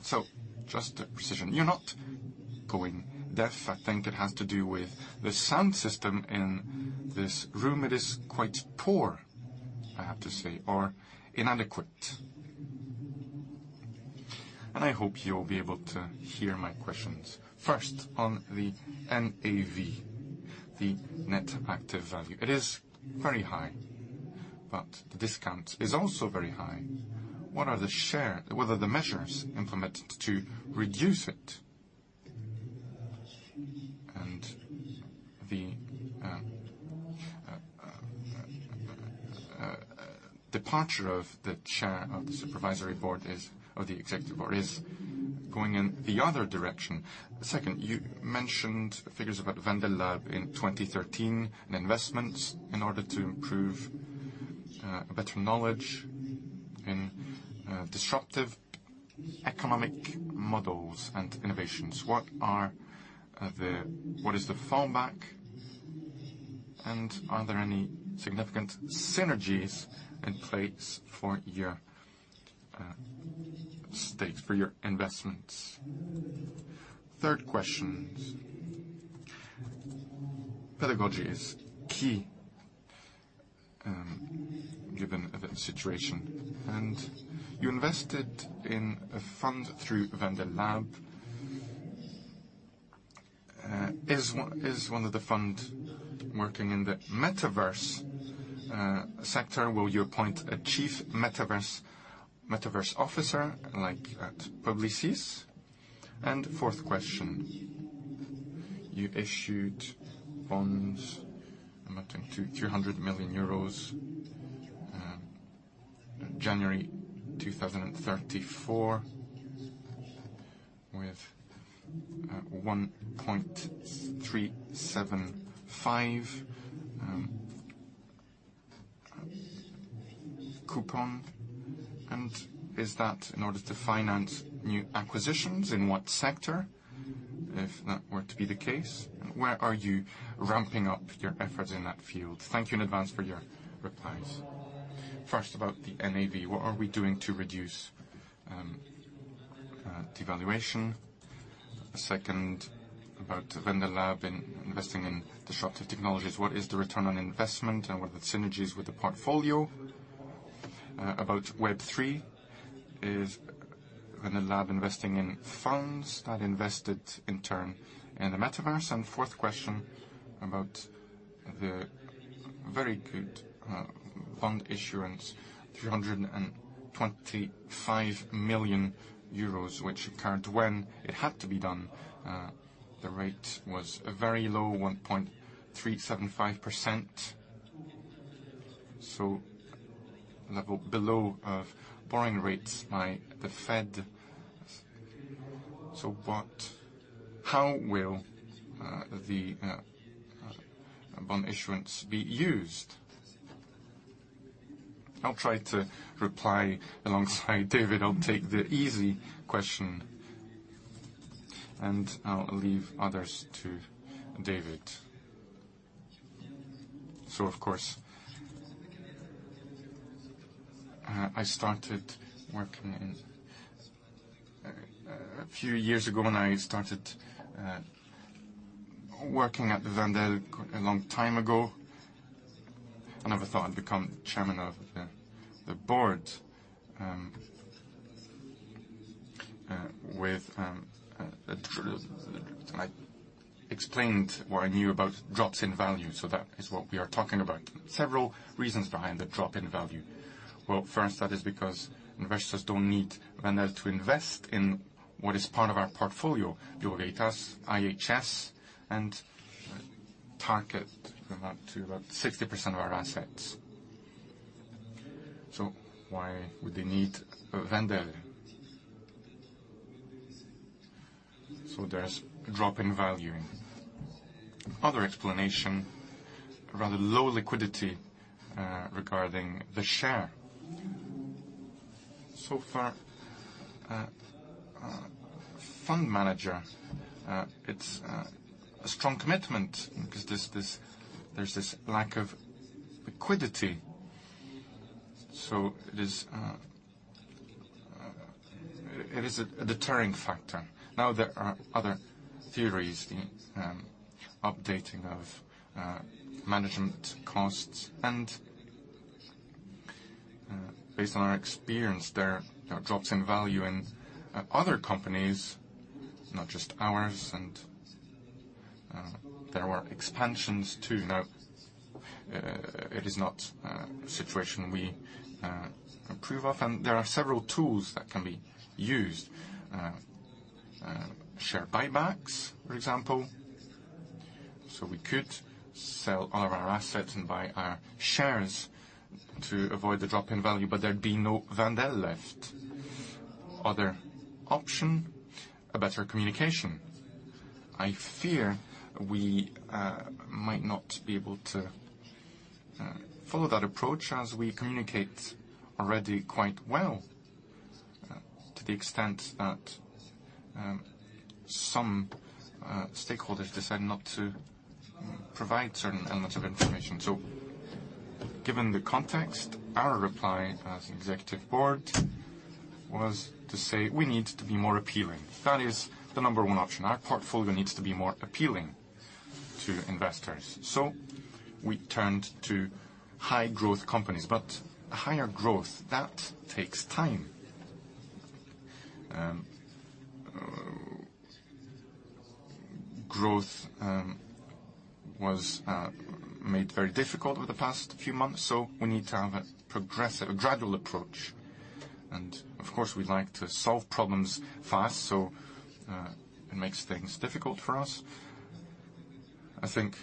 [SPEAKER 13] So just a precision. You're not going deaf. I think it has to do with the sound system in this room. It is quite poor, I have to say, or inadequate. I hope you'll be able to hear my questions. First on the NAV, the net asset value, it is very high, but the discount is also very high. What are the measures implemented to reduce it? And the departure of the chair of the supervisory board is, or the executive board is going in the other direction. Second, you mentioned figures about Wendel Lab in 2013 and investments in order to improve a better knowledge in disruptive economic models and innovations.
[SPEAKER 3] What is the fallback, and are there any significant synergies in place for your stakes, for your investments? Third question. Pedagogy is key, given the situation, and you invested in a fund through Wendel Lab. Is one of the fund working in the Metaverse sector? Will you appoint a chief Metaverse officer like at Publicis? And fourth question, you issued bonds amounting to 300 million euros, January 2034 with a 1.375% coupon, and is that in order to finance new acquisitions? In what sector, if that were to be the case? And where are you ramping up your efforts in that field? Thank you in advance for your replies.
[SPEAKER 2] First, about the NAV, what are we doing to reduce devaluation? Second, about Wendel Lab investing in disruptive technologies, what is the return on investment, and what are the synergies with the portfolio? About Web3, is Wendel Lab investing in funds that invested in turn in the Metaverse? Fourth question about the very good bond issuance, 325 million euros, which occurred when it had to be done. The rate was a very low 1.375%, so level below the borrowing rates by the Fed. What? How will the bond issuance be used? I'll try to reply alongside David. I'll take the easy question, and I'll leave others to David. Of course, I started working in... A few years ago, when I started working at Wendel a long time ago, I never thought I'd become chairman of the board. I explained what I knew about drops in value, so that is what we are talking about. Several reasons behind the drop in value. Well, first, that is because investors don't need Wendel to invest in what is part of our portfolio, Duratas, IHS and Tarkett amount to about 60% of our assets. Why would they need a Wendel? There's a drop in value. Other explanation, a rather low liquidity regarding the share. For a fund manager, it's a strong commitment because this lack of liquidity, so it is a deterring factor. Now, there are other theories, the updating of management costs, and based on our experience, there are drops in value in other companies, not just ours. There were expansions too. Now, it is not a situation we approve of, and there are several tools that can be used. Share buybacks, for example. We could sell all of our assets and buy our shares to avoid the drop in value, but there'd be no Wendel left. Other option, a better communication. I fear we might not be able to follow that approach as we communicate already quite well to the extent that some stakeholders decide not to provide certain elements of information. Given the context, our reply as Executive Board was to say, "We need to be more appealing." That is the number one option. Our portfolio needs to be more appealing to investors. We turned to high growth companies. A higher growth, that takes time. Growth was made very difficult over the past few months, we need to have a progressive, gradual approach. Of course, we like to solve problems fast, it makes things difficult for us. I think,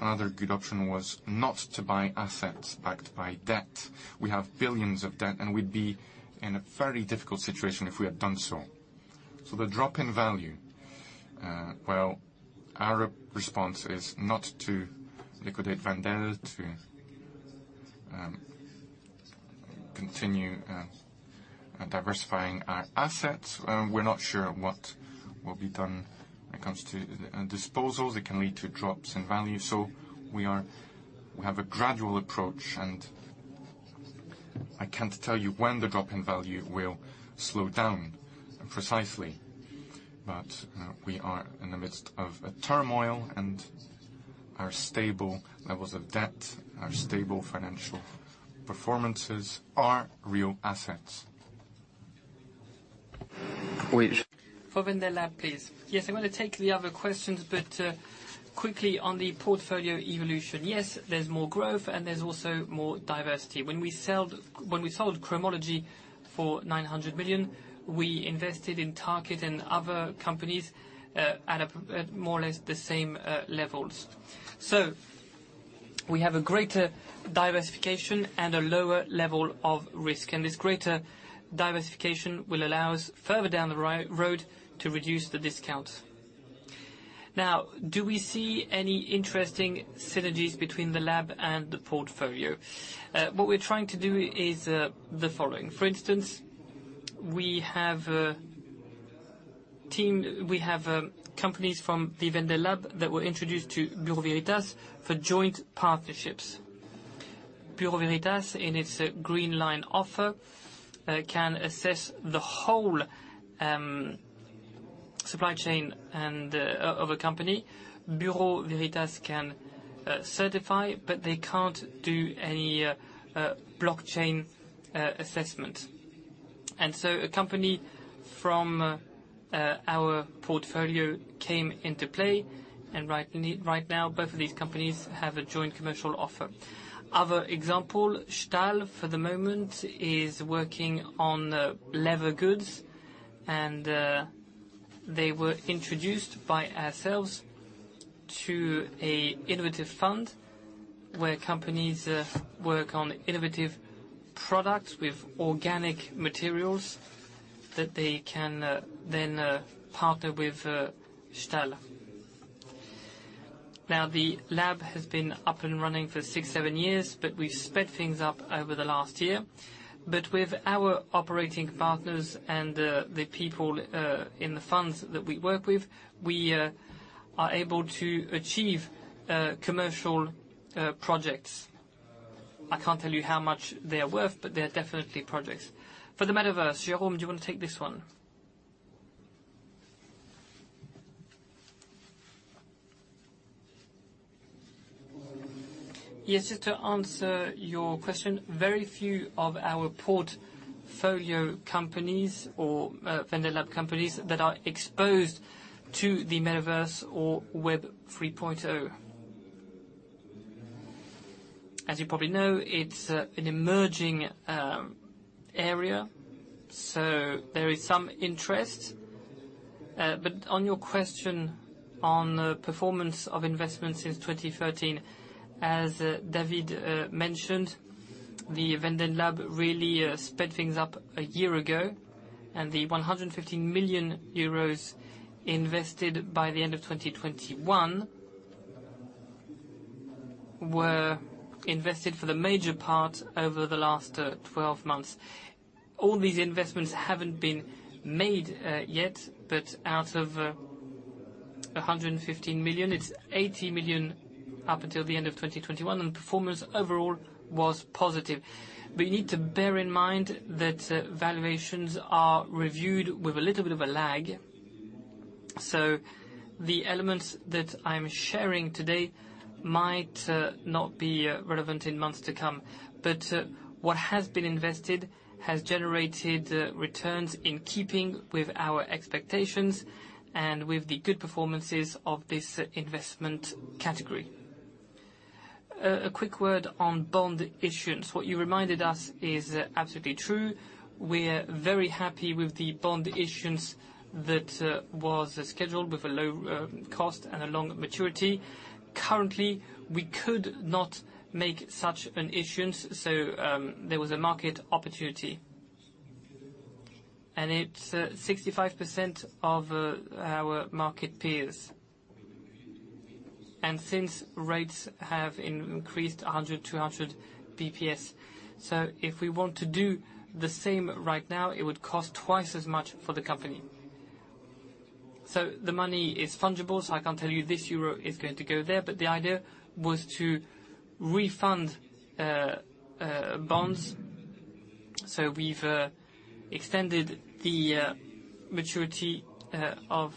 [SPEAKER 2] another good option was not to buy assets backed by debt. We have billions of debt, and we'd be in a very difficult situation if we had done so. The drop in value, well, our response is not to liquidate Wendel, to continue diversifying our assets. We're not sure what will be done when it comes to disposals. It can lead to drops in value. We have a gradual approach, and I can't tell you when the drop in value will slow down precisely. We are in the midst of a turmoil, and our stable levels of debt, our stable financial performances are real assets.
[SPEAKER 3] For Wendel Lab, please. Yes, I'm gonna take the other questions, but quickly on the portfolio evolution. Yes, there's more growth, and there's also more diversity. When we sold Cromology for 900 million, we invested in Tarkett and other companies at more or less the same levels. So we have a greater diversification and a lower level of risk, and this greater diversification will allow us further down the road to reduce the discount. Now, do we see any interesting synergies between the lab and the portfolio? What we're trying to do is the following. For instance, we have a team. We have companies from the Wendel Lab that were introduced to Bureau Veritas for joint partnerships. Bureau Veritas, in its Green Line offer, can assess the whole supply chain and of a company. Bureau Veritas can certify, but they can't do any blockchain assessment. A company from our portfolio came into play, and right now, both of these companies have a joint commercial offer. Other example, Stahl, for the moment, is working on leather goods, and they were introduced by ourselves to a innovative fund where companies work on innovative products with organic materials that they can then partner with Stahl. Now, the lab has been up and running for six to seven years, but we've sped things up over the last year. With our operating partners and the people in the funds that we work with, we are able to achieve commercial projects. I can't tell you how much they are worth, but they are definitely projects. For the Metaverse, Jérôme, do you wanna take this one?
[SPEAKER 4] Yes. Just to answer your question, very few of our portfolio companies or Wendel Lab companies that are exposed to the Metaverse or Web 3.0. As you probably know, it's an emerging area, so there is some interest. But on your question on performance of investments since 2013, as David mentioned, the Wendel Lab really sped things up a year ago, and the 115 million euros invested by the end of 2021 were invested for the major part over the last 12 months. All these investments haven't been made yet, but out of 115 million, it's 80 million up until the end of 2021, and performance overall was positive. You need to bear in mind that valuations are reviewed with a little bit of a lag, so the elements that I'm sharing today might not be relevant in months to come. What has been invested has generated returns in keeping with our expectations and with the good performances of this investment category. A quick word on bond issuance. What you reminded us is absolutely true. We're very happy with the bond issuance that was scheduled with a low cost and a long maturity. Currently, we could not make such an issuance, so there was a market opportunity. It's 65% of our market peers. Since rates have increased 100-200 basis points, if we want to do the same right now, it would cost twice as much for the company. The money is fungible, so I can't tell you this euro is going to go there, but the idea was to refund bonds. We've extended the maturity of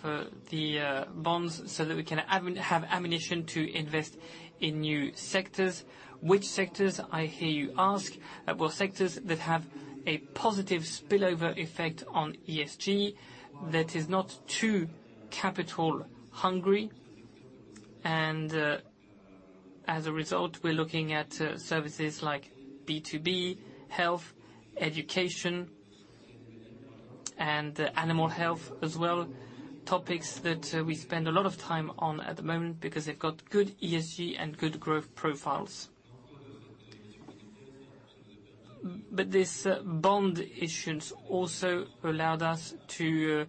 [SPEAKER 4] the bonds so that we can have ammunition to invest in new sectors. Which sectors, I hear you ask? Well, sectors that have a positive spillover effect on ESG, that is not too capital hungry. As a result, we're looking at services like B2B, health, education, and animal health as well. Topics that we spend a lot of time on at the moment because they've got good ESG and good growth profiles. This bond issuance also allowed us to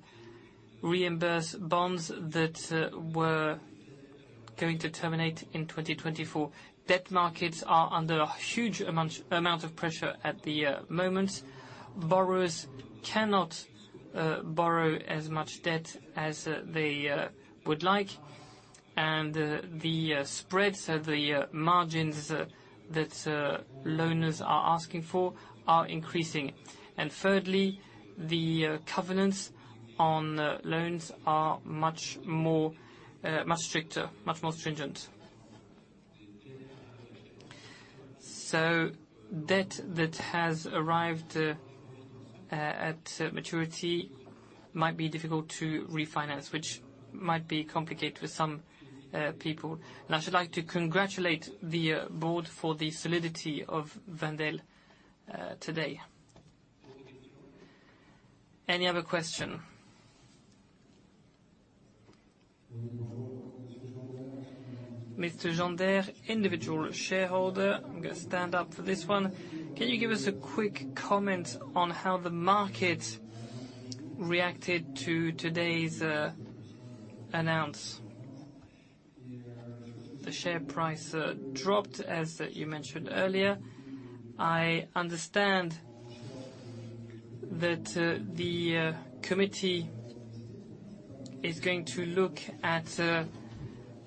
[SPEAKER 4] reimburse bonds that were going to terminate in 2024. Debt markets are under a huge amount of pressure at the moment. Borrowers cannot borrow as much debt as they would like. The spreads, the margins that lenders are asking for are increasing. Thirdly, the covenants on loans are much stricter, much more stringent. Debt that has arrived at maturity might be difficult to refinance, which might be complicated for some people. I should like to congratulate the board for the solidity of Wendel today.
[SPEAKER 1] Any other question?
[SPEAKER 14] Mr. Gendaire, individual shareholder. I'm gonna stand up for this one. Can you give us a quick comment on how the market reacted to today's announcement? The share price dropped, as you mentioned earlier. I understand that the committee is going to look at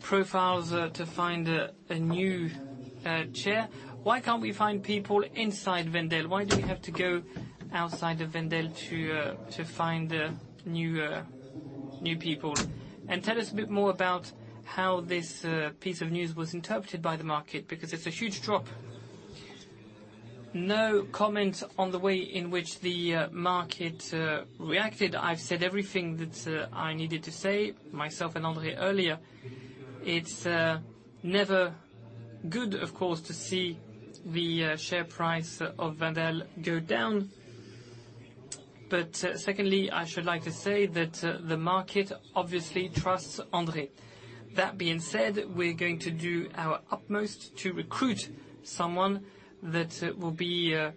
[SPEAKER 14] profiles to find a new chair.
[SPEAKER 1] Why can't we find people inside Wendel? Why do we have to go outside of Wendel to find new people? Tell us a bit more about how this piece of news was interpreted by the market, because it's a huge drop.
[SPEAKER 2] No comment on the way in which the market reacted. I've said everything that I needed to say, myself and Henri earlier. It's never good, of course, to see the share price of Wendel go down. Secondly, I should like to say that the market obviously trusts Henri. That being said, we're going to do our utmost to recruit someone that will be at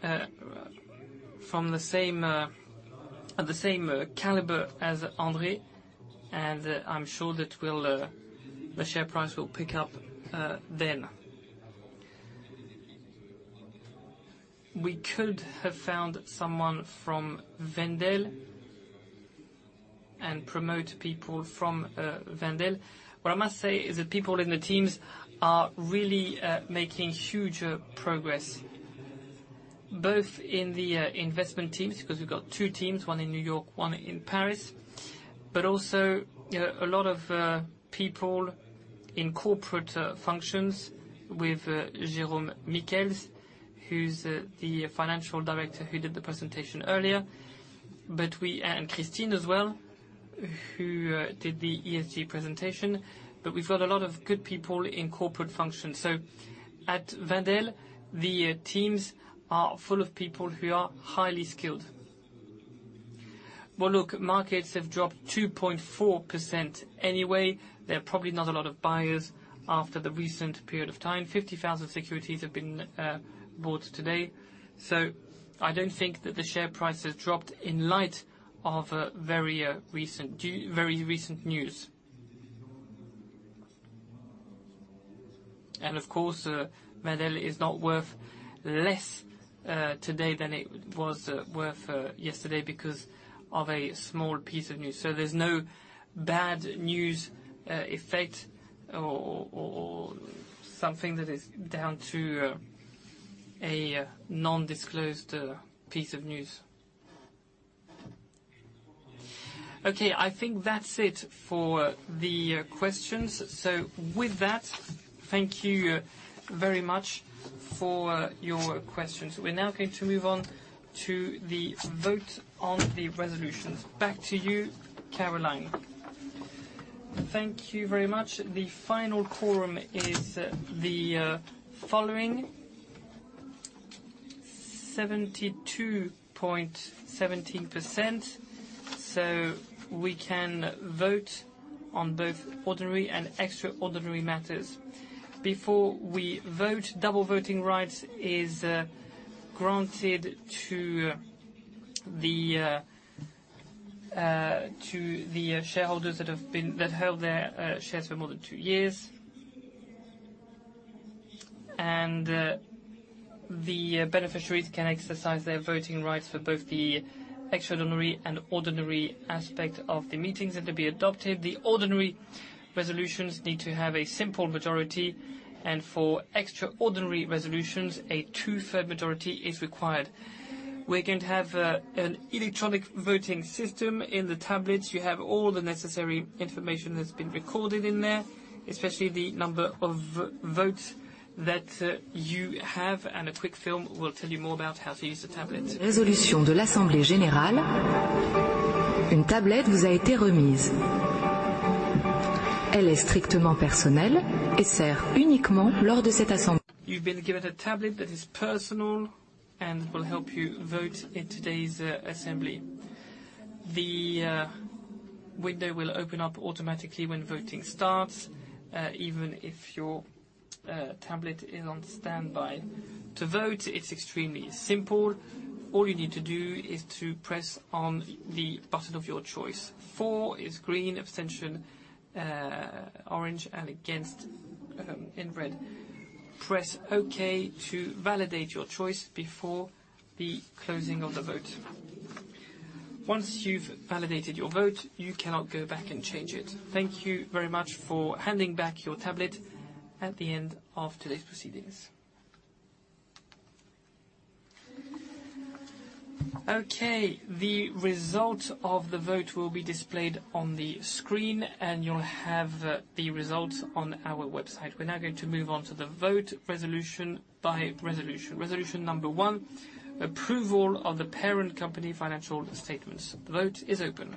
[SPEAKER 2] the same caliber as Henri, and I'm sure that the share price will pick up then. We could have found someone from Wendel and promote people from Wendel. What I must say is that people in the teams are really making huge progress, both in the investment teams, 'cause we've got two teams, one in New York, one in Paris, but also a lot of people in corporate functions with Jérôme Michiels, who's the financial director who did the presentation earlier. Christine as well, who did the ESG presentation. We've got a lot of good people in corporate functions. At Wendel, the teams are full of people who are highly skilled. Well, look, markets have dropped 2.4% anyway. There are probably not a lot of buyers after the recent period of time. 50,000 securities have been bought today. I don't think that the share price has dropped in light of very recent news. Of course, Wendel is not worth less today than it was worth yesterday because of a small piece of news. There's no bad news effect or something that is down to a non-disclosed piece of news.
[SPEAKER 1] Okay, I think that's it for the questions. With that, thank you very much for your questions. We're now going to move on to the vote on the resolutions. Back to you, Caroline.
[SPEAKER 8] Thank you very much. The final quorum is the following. 72.17%, so we can vote on both ordinary and extraordinary matters. Before we vote, double voting rights is granted to the shareholders that held their shares for more than two years. The beneficiaries can exercise their voting rights for both the extraordinary and ordinary aspect of the meetings that are being adopted. The ordinary resolutions need to have a simple majority, and for extraordinary resolutions, a two-thirds majority is required. We're going to have an electronic voting system in the tablets. You have all the necessary information that's been recorded in there, especially the number of votes that you have, and a quick film will tell you more about how to use the tablet. Elle est strictement personnelle et sert uniquement lors de cette assemblée. You've been given a tablet that is personal and will help you vote in today's assembly. The window will open up automatically when voting starts even if your tablet is on standby. To vote, it's extremely simple. All you need to do is to press on the button of your choice. For is green, abstention orange and against in red. Press OK to validate your choice before the closing of the vote. Once you've validated your vote, you cannot go back and change it. Thank you very much for handing back your tablet at the end of today's proceedings. OK, the result of the vote will be displayed on the screen and you'll have the results on our website. We're now going to move on to the vote resolution by resolution. Resolution number one: approval of the parent company financial statements. The vote is open.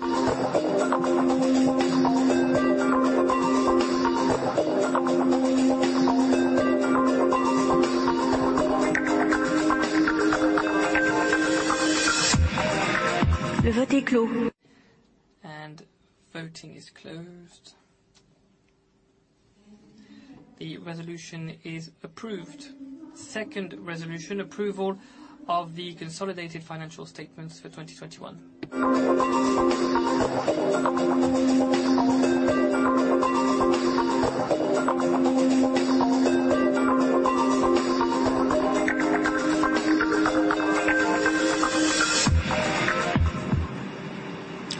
[SPEAKER 15] Le vote est clos.
[SPEAKER 8] Voting is closed. The resolution is approved. Second resolution: approval of the consolidated financial statements for 2021.
[SPEAKER 15] Le vote est clos.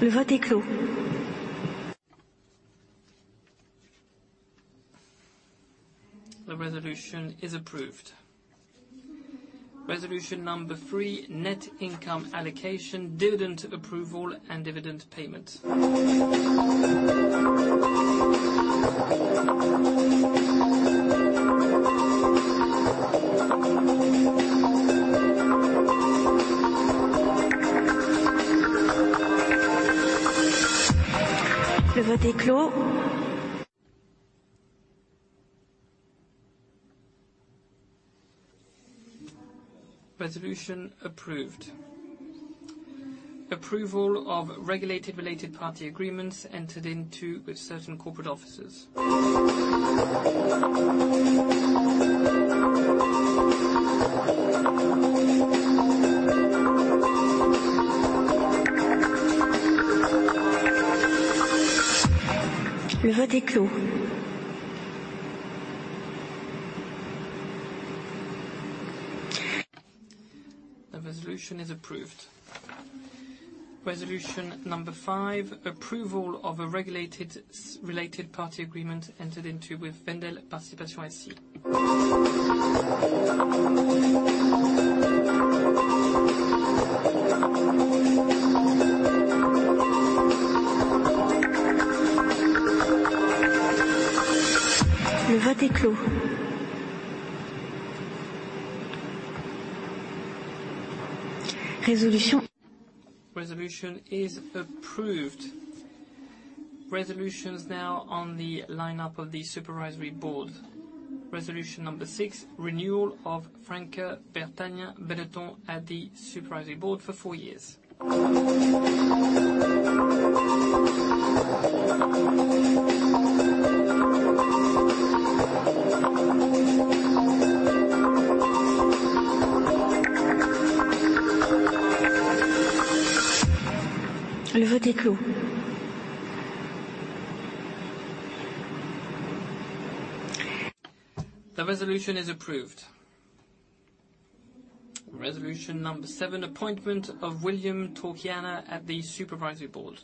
[SPEAKER 8] The resolution is approved. Resolution number three. Net income allocation, dividend approval and dividend payment.
[SPEAKER 15] Le vote est clos.
[SPEAKER 8] Resolution approved. Approval of regulated related party agreements entered into with certain corporate officers.
[SPEAKER 15] Le vote est clos.
[SPEAKER 8] The resolution is approved. Resolution number 5: approval of a regulated related party agreement entered into with Wendel-Participations SE.
[SPEAKER 15] Le vote est clos.
[SPEAKER 8] Resolution is approved. Resolutions now on the lineup of the Supervisory Board. Resolution number 6: renewal of Franca Bertagnin Benetton on the Supervisory Board for 4 years.
[SPEAKER 15] Le vote est clos.
[SPEAKER 8] The resolution is approved. Resolution number seven, appointment of William Torchiana at the Supervisory Board.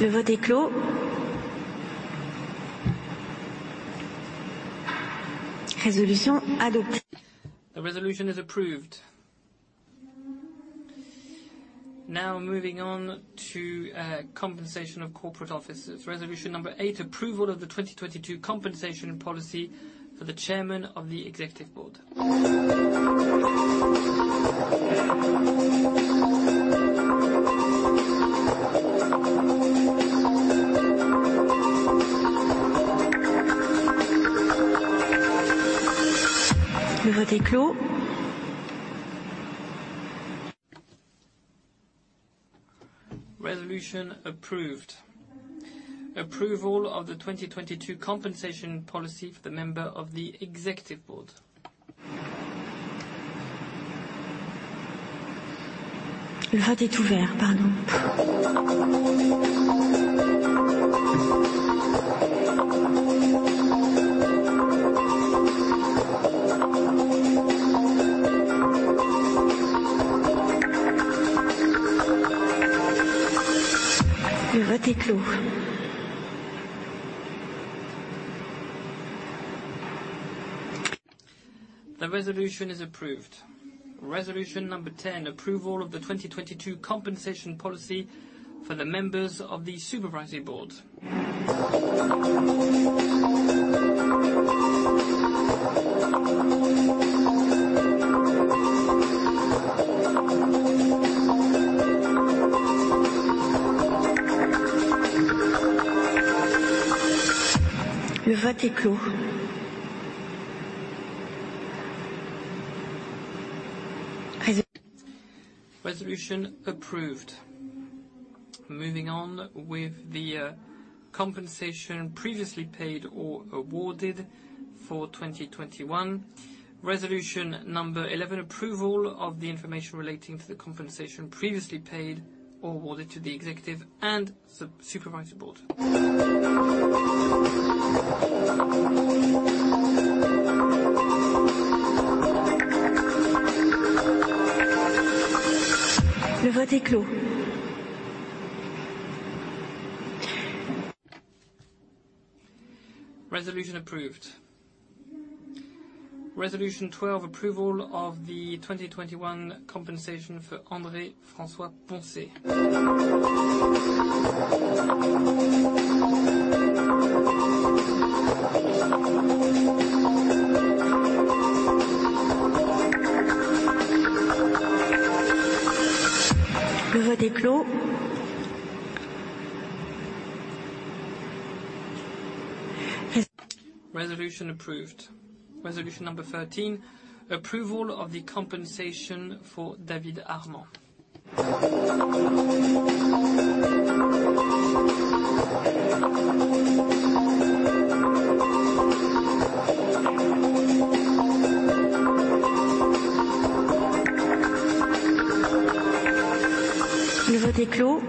[SPEAKER 15] Le vote est clos.
[SPEAKER 8] The resolution is approved. Now moving on to compensation of corporate officers. Resolution number 8: approval of the 2022 compensation policy for the chairman of the executive board.
[SPEAKER 15] Le vote est clos.
[SPEAKER 8] Resolution approved. Approval of the 2022 compensation policy for the member of the executive board.
[SPEAKER 15] Le vote est ouvert, pardon. Le vote est clos.
[SPEAKER 8] The resolution is approved. Resolution number 10: Approval of the 2022 compensation policy for the members of the Supervisory Board. Resolution approved. Moving on with the compensation previously paid or awarded for 2021. Resolution number 11: Approval of the information relating to the compensation previously paid or awarded to the executive and Supervisory Board. Resolution approved. Resolution 12: Approval of the 2021 compensation for André François-Poncet. Resolution approved. Resolution number 13: Approval of the compensation for David Darmon. Resolution approved.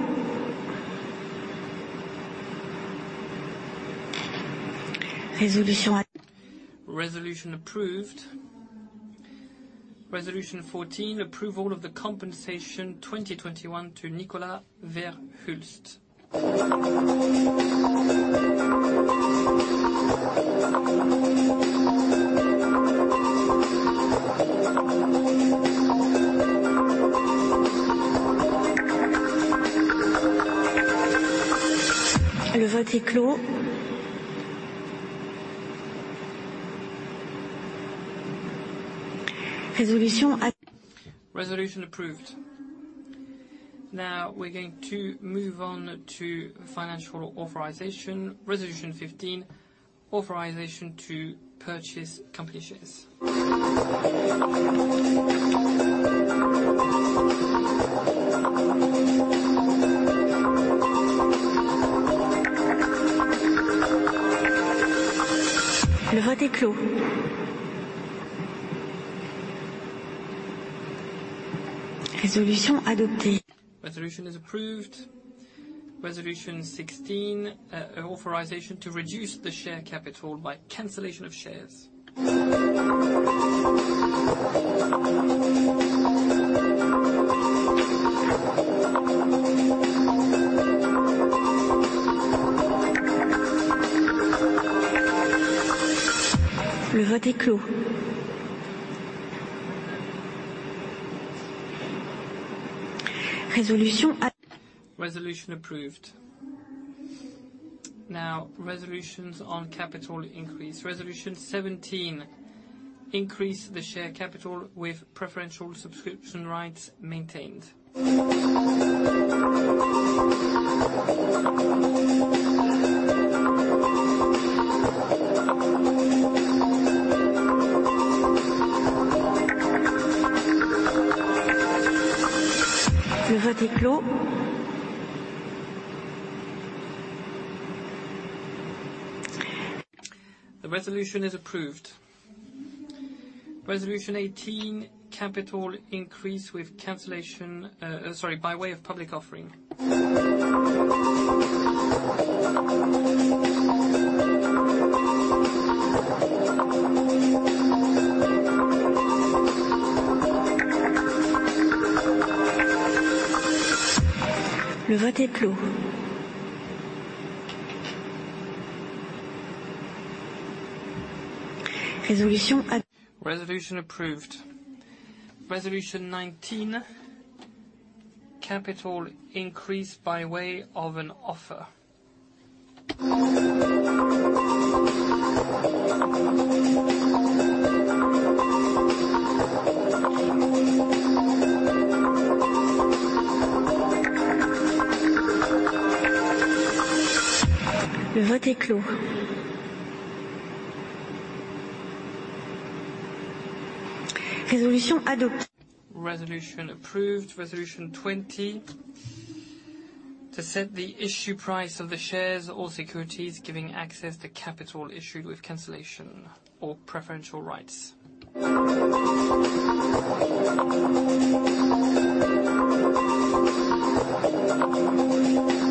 [SPEAKER 8] Resolution 14: Approval of the 2021 compensation to Nicolas ver Hulst. Resolution approved. Now, we're going to move on to financial authorization. Resolution 15: Authorization to purchase company shares. Resolution is approved. Resolution 16: authorization to reduce the share capital by cancellation of shares. Resolution approved. Now, resolutions on capital increase. Resolution 17: Increase the share capital with preferential subscription rights maintained. The resolution is approved. Resolution 18: Capital increase with cancellation by way of public offering. Resolution approved. Resolution 19: Capital increase by way of an offer. Resolution approved. Resolution 20: To set the issue price of the shares or securities giving access to capital issued with cancellation or preferential rights. Resolution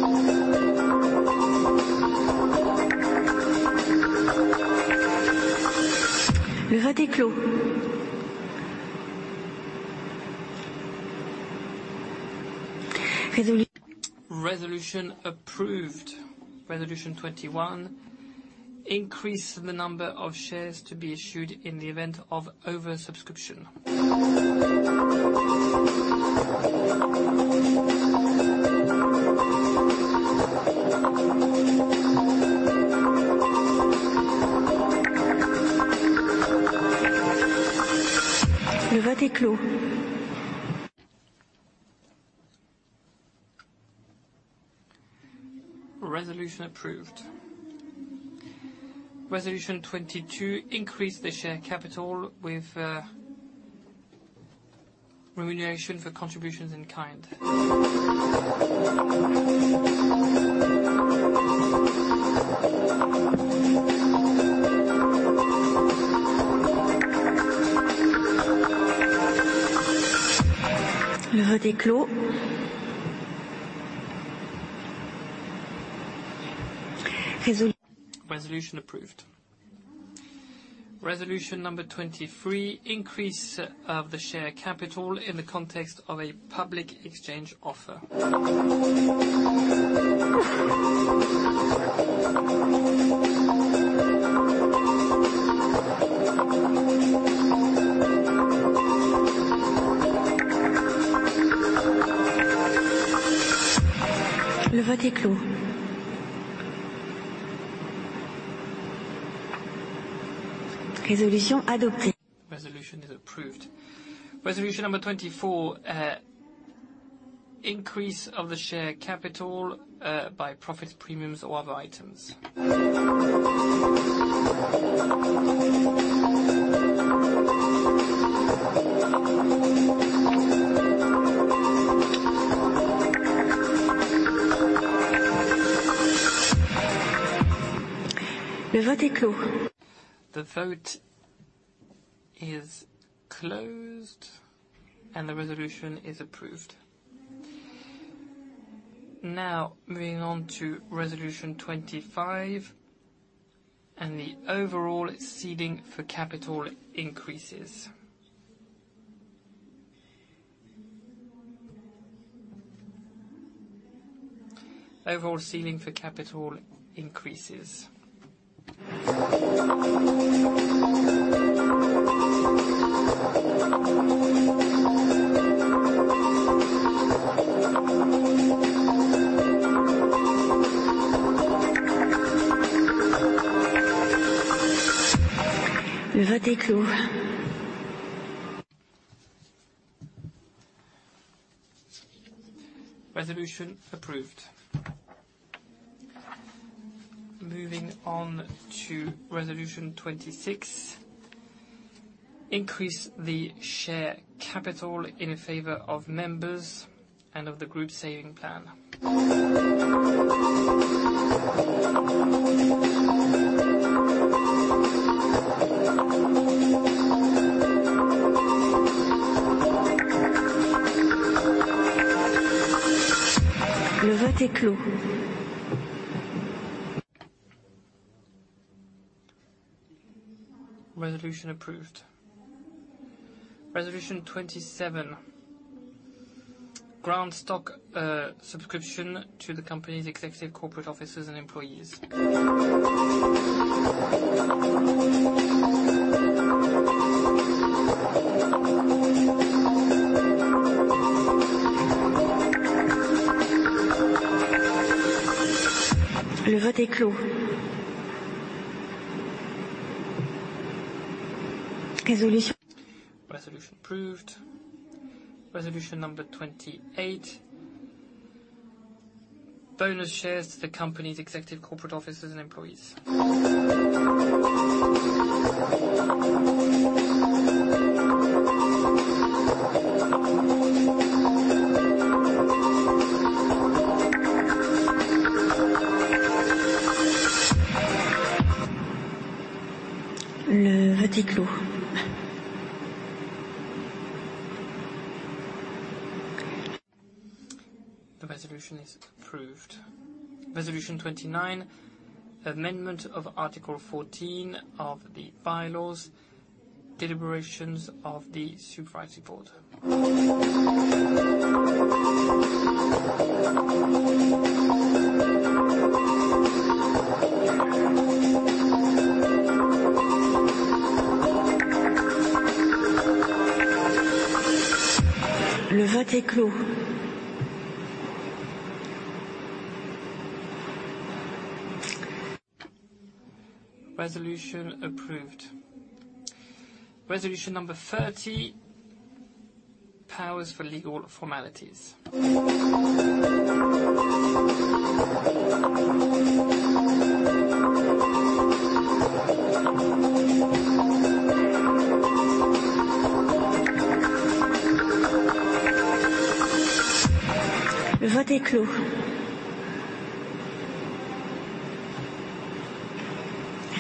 [SPEAKER 8] approved. Resolution 21, increase the number of shares to be issued in the event of over-subscription. Resolution approved. Resolution 22, increase the share capital with remuneration for contributions in kind. Resolution approved. Resolution number 23, increase of the share capital in the context of a public exchange offer. Resolution is approved. Resolution number 24, increase of the share capital by profits, premiums or other items. The vote is closed and the resolution is approved. Now moving on to resolution 25 and the overall ceiling for capital increases. Overall ceiling for capital increases. Resolution approved. Moving on to resolution 26, increase the share capital in favor of members and of the group saving plan. Resolution approved. Resolution 27, group stock, subscription to the company's executive corporate officers and employees. Resolution approved. Resolution number 28, bonus shares to the company's executive corporate officers and employees. The resolution is approved. Resolution 29, amendment of article 14 of the bylaws, deliberations of the supervisory board. Resolution approved. Resolution number 30, powers for legal formalities.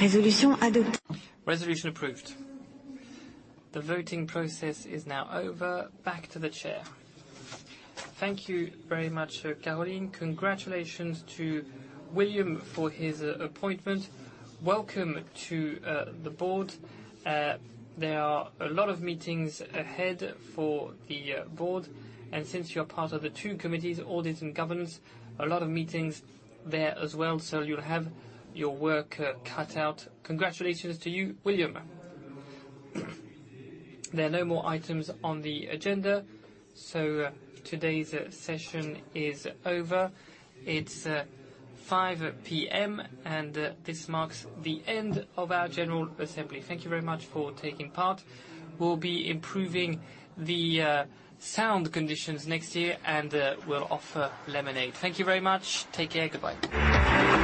[SPEAKER 8] Resolution approved. The voting process is now over. Back to the chair.
[SPEAKER 1] Thank you very much, Caroline. Congratulations to William for his appointment. Welcome to the board. There are a lot of meetings ahead for the board, and since you're part of the two committees, audit and governance, a lot of meetings there as well. So you'll have your work cut out. Congratulations to you, William. There are no more items on the agenda, so today's session is over. It's 5:00 P.M., and this marks the end of our general assembly. Thank you very much for taking part. We'll be improving the sound conditions next year and we'll offer lemonade. Thank you very much. Take care.
[SPEAKER 15] Goodbye.